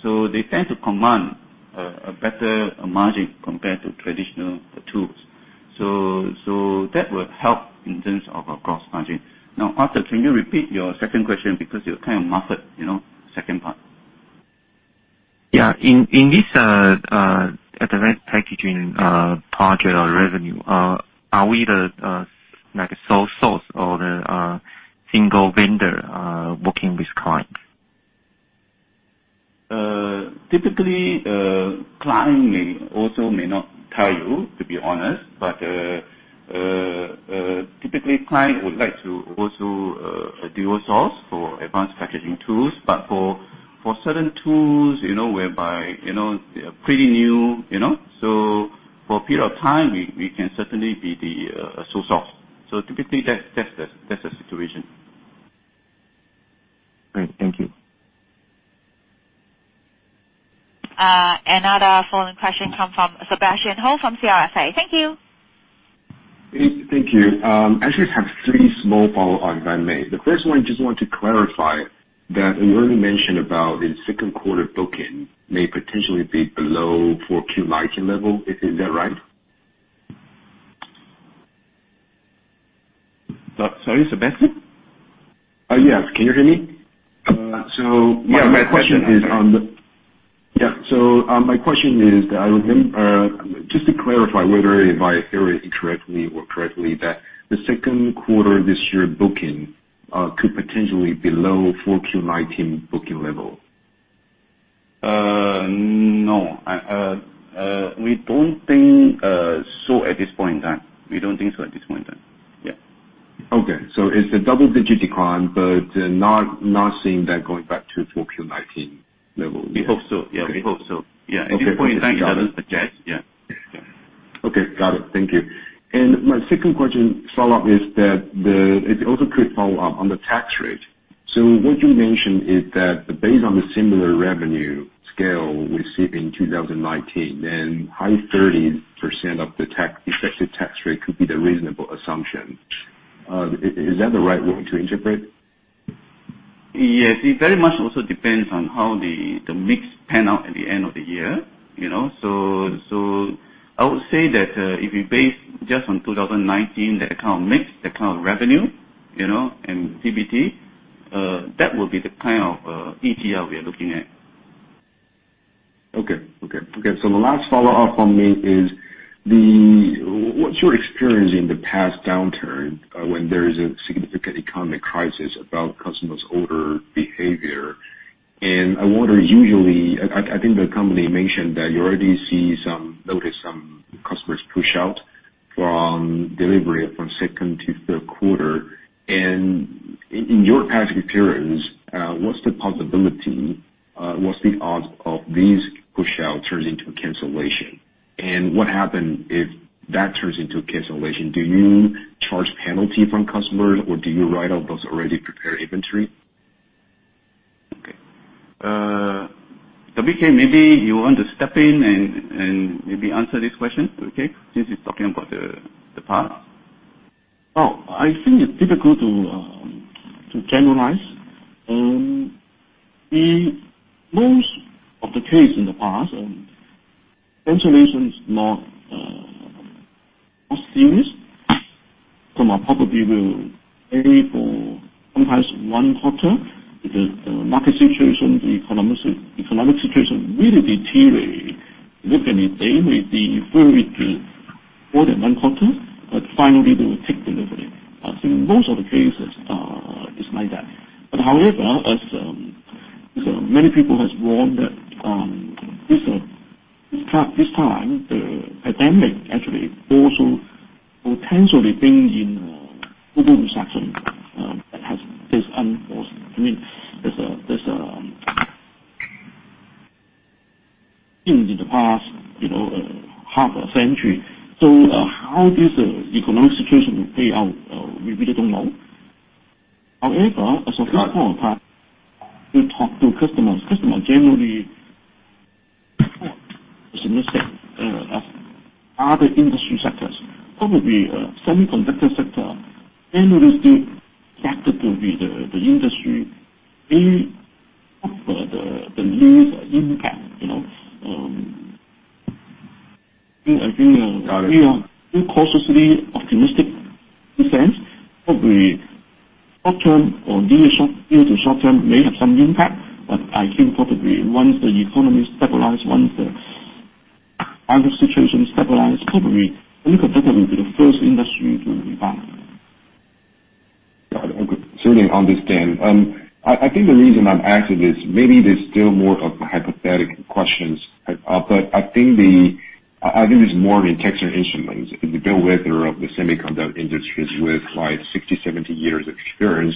they tend to command a better margin compared to traditional tools. That will help in terms of our gross margin. Now, Arthur, can you repeat your second question because you kind of muffled second part? Yeah. In this advanced packaging project or revenue, are we the sole source or the single vendor working with clients? Typically, client also may not tell you, to be honest. Typically, client would like to also do a source for advanced packaging tools. For certain tools whereby they are pretty new. For a period of time, we can certainly be the sole source. Typically, that's the situation. Great. Thank you. Another following question come from Sebastian Hou from CLSA. Thank you. Thank you. Actually have three small follow-up, if I may. The first one, I just want to clarify that you already mentioned about in second quarter booking may potentially be below 4Q 2019 level. Is that right? Sorry, Sebastian? Yes. Can you hear me? Yeah. My question is that, just to clarify whether if I hear it incorrectly or correctly, that the second quarter this year booking could potentially be below 4Q 2019 booking level. No. We don't think so at this point in time. Yeah. It's a double-digit decline, but not seeing that going back to 4Q 2019 level. We hope so. Yeah. Okay. We hope so. Yeah. At this point in time, it doesn't suggest. Yeah. Okay, got it. Thank you. My second question follow-up is that, if you also could follow up on the tax rate. What you mentioned is that based on the similar revenue scale we see in 2019, then high 30% of the effective tax rate could be the reasonable assumption. Is that the right way to interpret? Yes. It very much also depends on how the mix pan out at the end of the year. I would say that, if we base just on 2019, that kind of mix, that kind of revenue, and PBT, that will be the kind of we are looking at. The last follow-up from me is, what's your experience in the past downturn when there is a significant economic crisis about customers' order behavior? I wonder, usually, I think the company mentioned that you already notice some customers push out from delivery from second to third quarter. In your past experience, what's the possibility, what's the odds of these push out turns into a cancellation? What happen if that turns into a cancellation? Do you charge penalty from customers, or do you write off those already prepared inventory? WK, maybe you want to step in and maybe answer this question, okay? Since it's talking about the past. Oh, I think it's difficult to generalize. In most of the case in the past, cancellation is not serious. Some are probably will pay for sometimes one quarter because the market situation, the economic situation really deteriorate. Definitely, they may defer it to more than one quarter, but finally they will take delivery. In most of the cases it's like that. However, as many people has warned that this time, the pandemic actually also potentially bring in global recession. That has this unforeseen, I mean, there's in the past half a century. How this economic situation will play out, we really don't know. However, as of this point of time, we talk to customers. Customers generally. Similar set of other industry sectors, probably semiconductor sector, and it is still practical with the industry, really offer the least impact. I think we are cautiously optimistic in a sense, probably short term or near to short term may have some impact, but I think probably once the economy stabilize, once the other situation stabilize, probably we could probably be the first industry to rebound. Got it. Okay. Certainly understand. I think the reason I'm asking this, maybe there's still more of a hypothetical questions, but I think it's more in Instruments. If you go with the semiconductor industries with like 60, 70 years of experience,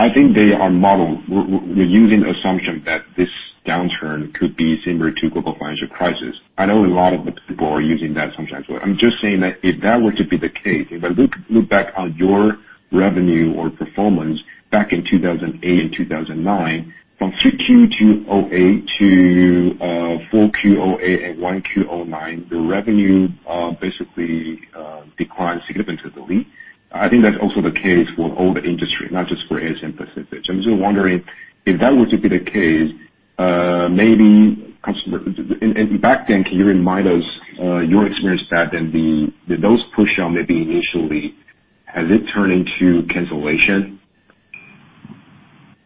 I think they are modeled. We're using assumption that this downturn could be similar to global financial crisis. I know a lot of the people are using that assumption as well. I'm just saying that if that were to be the case, if I look back on your revenue or performance back in 2008 and 2009, from 3Q 2008 to 4Q 2008 and 1Q 2009, the revenue basically declined significantly. I think that's also the case for all the industry, not just for ASM Pacific. I'm just wondering if that were to be the case, and back then, can you remind us, your experience back then, did those push on maybe initially, has it turned into cancellation?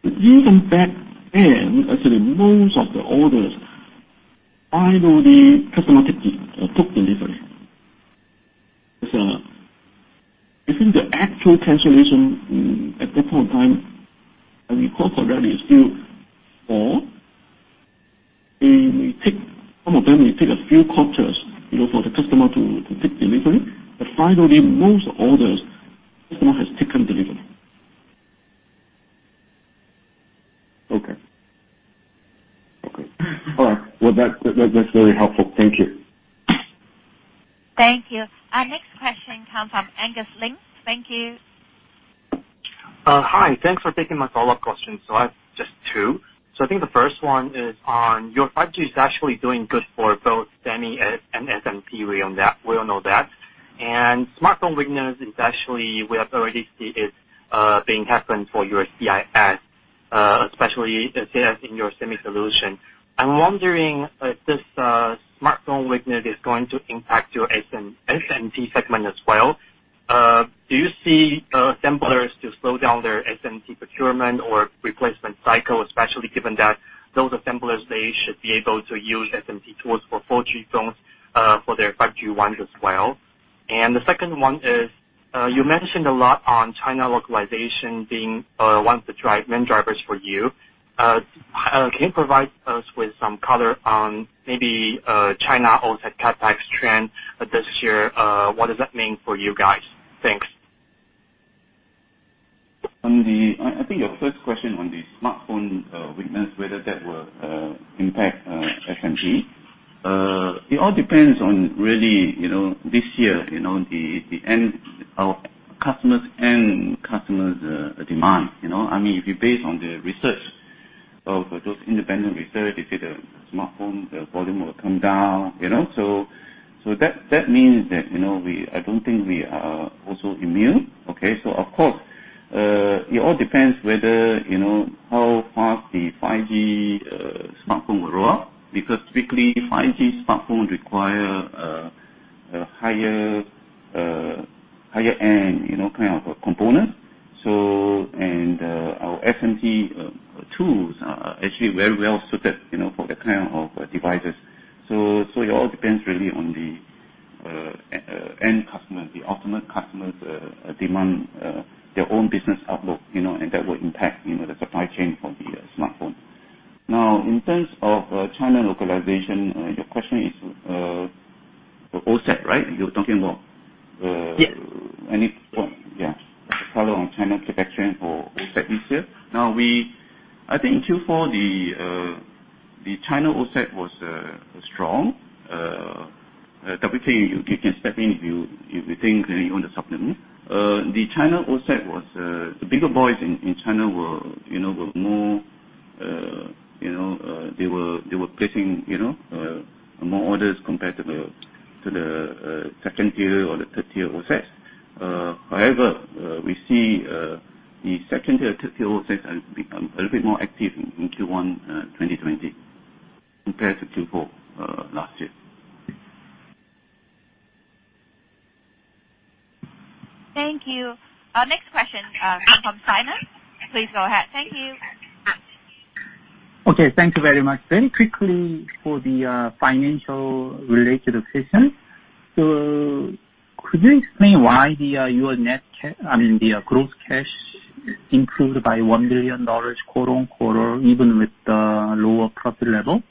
Even back then, actually most of the orders, finally the customer took delivery. I think the actual cancellation at that point in time, and we call for revenue still four. Some of them may take a few quarters for the customer to take delivery. Finally, most orders, customer has taken delivery. Okay. All right. Well, that's really helpful. Thank you. Thank you. Our next question comes from Angus Lee. Thank you. Hi. Thanks for taking my follow-up question. I have just two. I think the first is on your 5G is actually doing good for both Semi and SMT. We all know that. Smartphone weakness is actually, we have already seen it, being happened for your CIS, especially CIS in your Semi Solutions. I'm wondering if this smartphone weakness is going to impact your SMT segment as well. Do you see assemblers to slow down their SMT procurement or replacement cycle, especially given that those assemblers, they should be able to use SMT tools for 4G phones, for their 5G ones as well? The second is, you mentioned a lot on China localization being one of the main drivers for you. Can you provide us with some color on maybe China OSAT CapEx trend this year? What does that mean for you guys? Thanks. I think your first question on the smartphone weakness, whether that will impact SMT. It all depends on really this year, our end customers demand. If you base on the research, for those independent research, they say the smartphone volume will come down. That means that I don't think we are also immune. Okay. Of course, it all depends whether how fast the 5G smartphone will roll out, because typically 5G smartphone require a higher-end kind of components. Our SMT tools are actually very well suited for that kind of devices. It all depends really on the end customer, the ultimate customer's demand, their own business outlook, and that will impact the supply chain for the smartphone. Now, in terms of China localization, your question is, OSAT, right? Yeah. Any color on China CapEx for OSAT this year? I think Q4, the China OSAT was strong. WK, you can step in if you think you want to supplement. The bigger boys in China were placing more orders compared to the second tier or the third tier OSATs. We see the second tier, third tier OSATs has become a little bit more active in Q1 2020 compared to Q4 last year. Thank you. Our next question comes from Simon. Please go ahead. Thank you. Okay. Thank you very much. Very quickly for the financial related question. Could you explain why your net cash, I mean, the gross cash improved by $1 billion quarter-over-quarter, even with the lower profit level?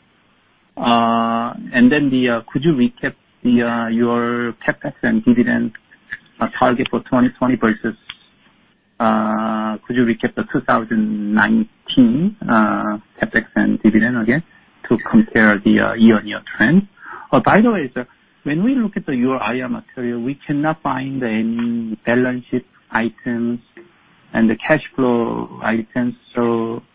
Could you recap your CapEx and dividend target for 2020 versus, could you recap the 2019 CapEx and dividend again to compare the year-over-year trend? When we look at your IR material, we cannot find any balance sheet items and the cash flow items.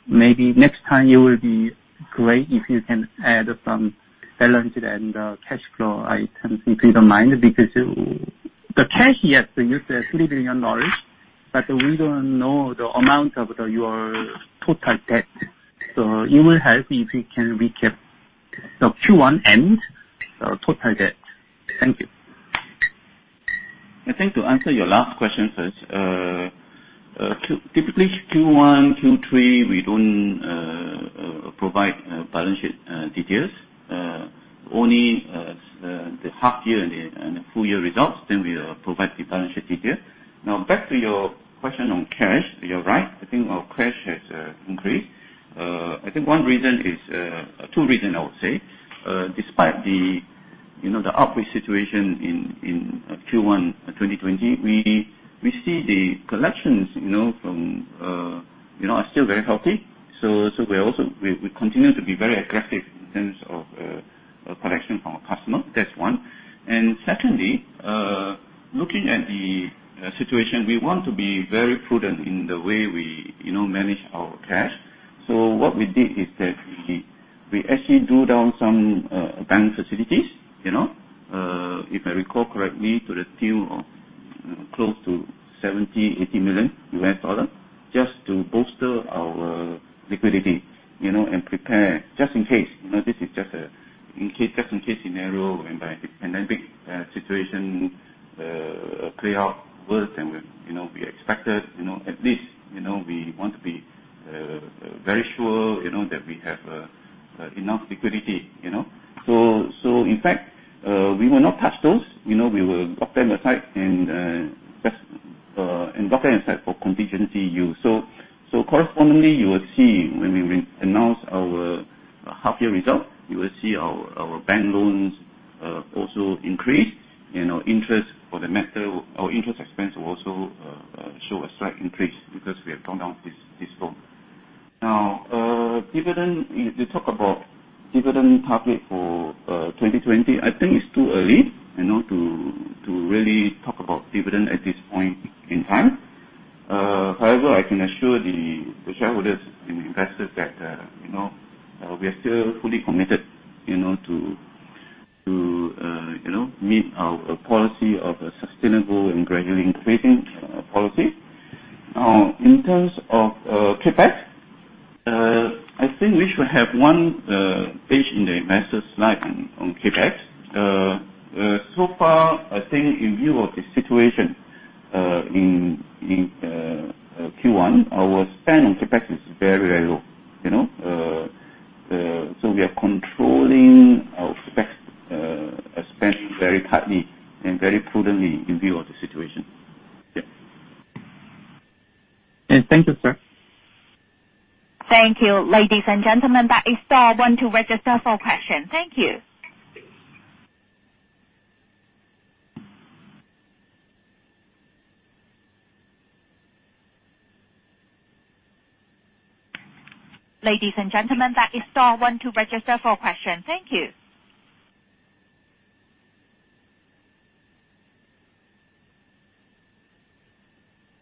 Maybe next time it will be great if you can add some balance and cash flow items, if you don't mind. The cash, yes, you said $3 billion, but we don't know the amount of your total debt. It will help if we can recap the Q1-end total debt. Thank you. I think to answer your last question first. Typically Q1, Q3, we don't provide balance sheet details. Only the half year and the full year results, we'll provide the balance sheet detail. Back to your question on cash. You're right. I think our cash has increased. I think two reason, I would say. Despite the upward situation in Q1 2020, we see the collections are still very healthy. We continue to be very aggressive in terms of collection from our customer. That's one. Secondly, looking at the situation, we want to be very prudent in the way we manage our cash. What we did is that we actually drew down some bank facilities. If I recall correctly, to the tune of close to $70 million-$80 million, just to bolster our liquidity and prepare just in case. This is just a case scenario whereby the pandemic situation play out worse than we expected. At least, we want to be very sure that we have enough liquidity. In fact, we will not touch those. We will just lock them aside for contingency use. Correspondingly, you will see when we announce our half year result, you will see our bank loans also increase and our interest expense will also show a slight increase because we have drawn down this loan. Now, if you talk about dividend target for 2020, I think it's too early to really talk about dividend at this point in time. However, I can assure the shareholders and investors that we are still fully committed to meet our policy of a sustainable and gradually increasing policy. Now, in terms of CapEx, I think we should have one page in the investor slide on CapEx. So far, I think in view of the situation in Q1, our spend on CapEx is very, very low. We are controlling our CapEx spending very tightly and very prudently in view of the situation. Yep. Thank you, sir. Thank you. Ladies and gentlemen, that is star one to register for question. Thank you. Ladies and gentlemen, that is star one to register for question. Thank you.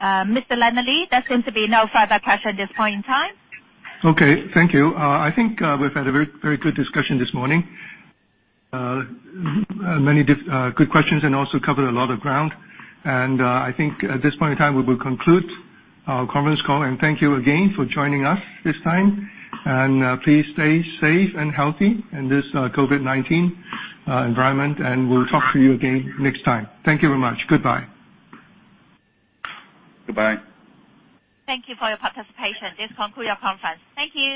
Mr. Leonard Lee, there seems to be no further question at this point in time. Okay. Thank you. I think we've had a very good discussion this morning. Many good questions, and also covered a lot of ground. I think at this point in time, we will conclude our conference call. Thank you again for joining us this time. Please stay safe and healthy in this COVID-19 environment, and we'll talk to you again next time. Thank you very much. Goodbye. Goodbye. Thank you for your participation. This conclude your conference. Thank you.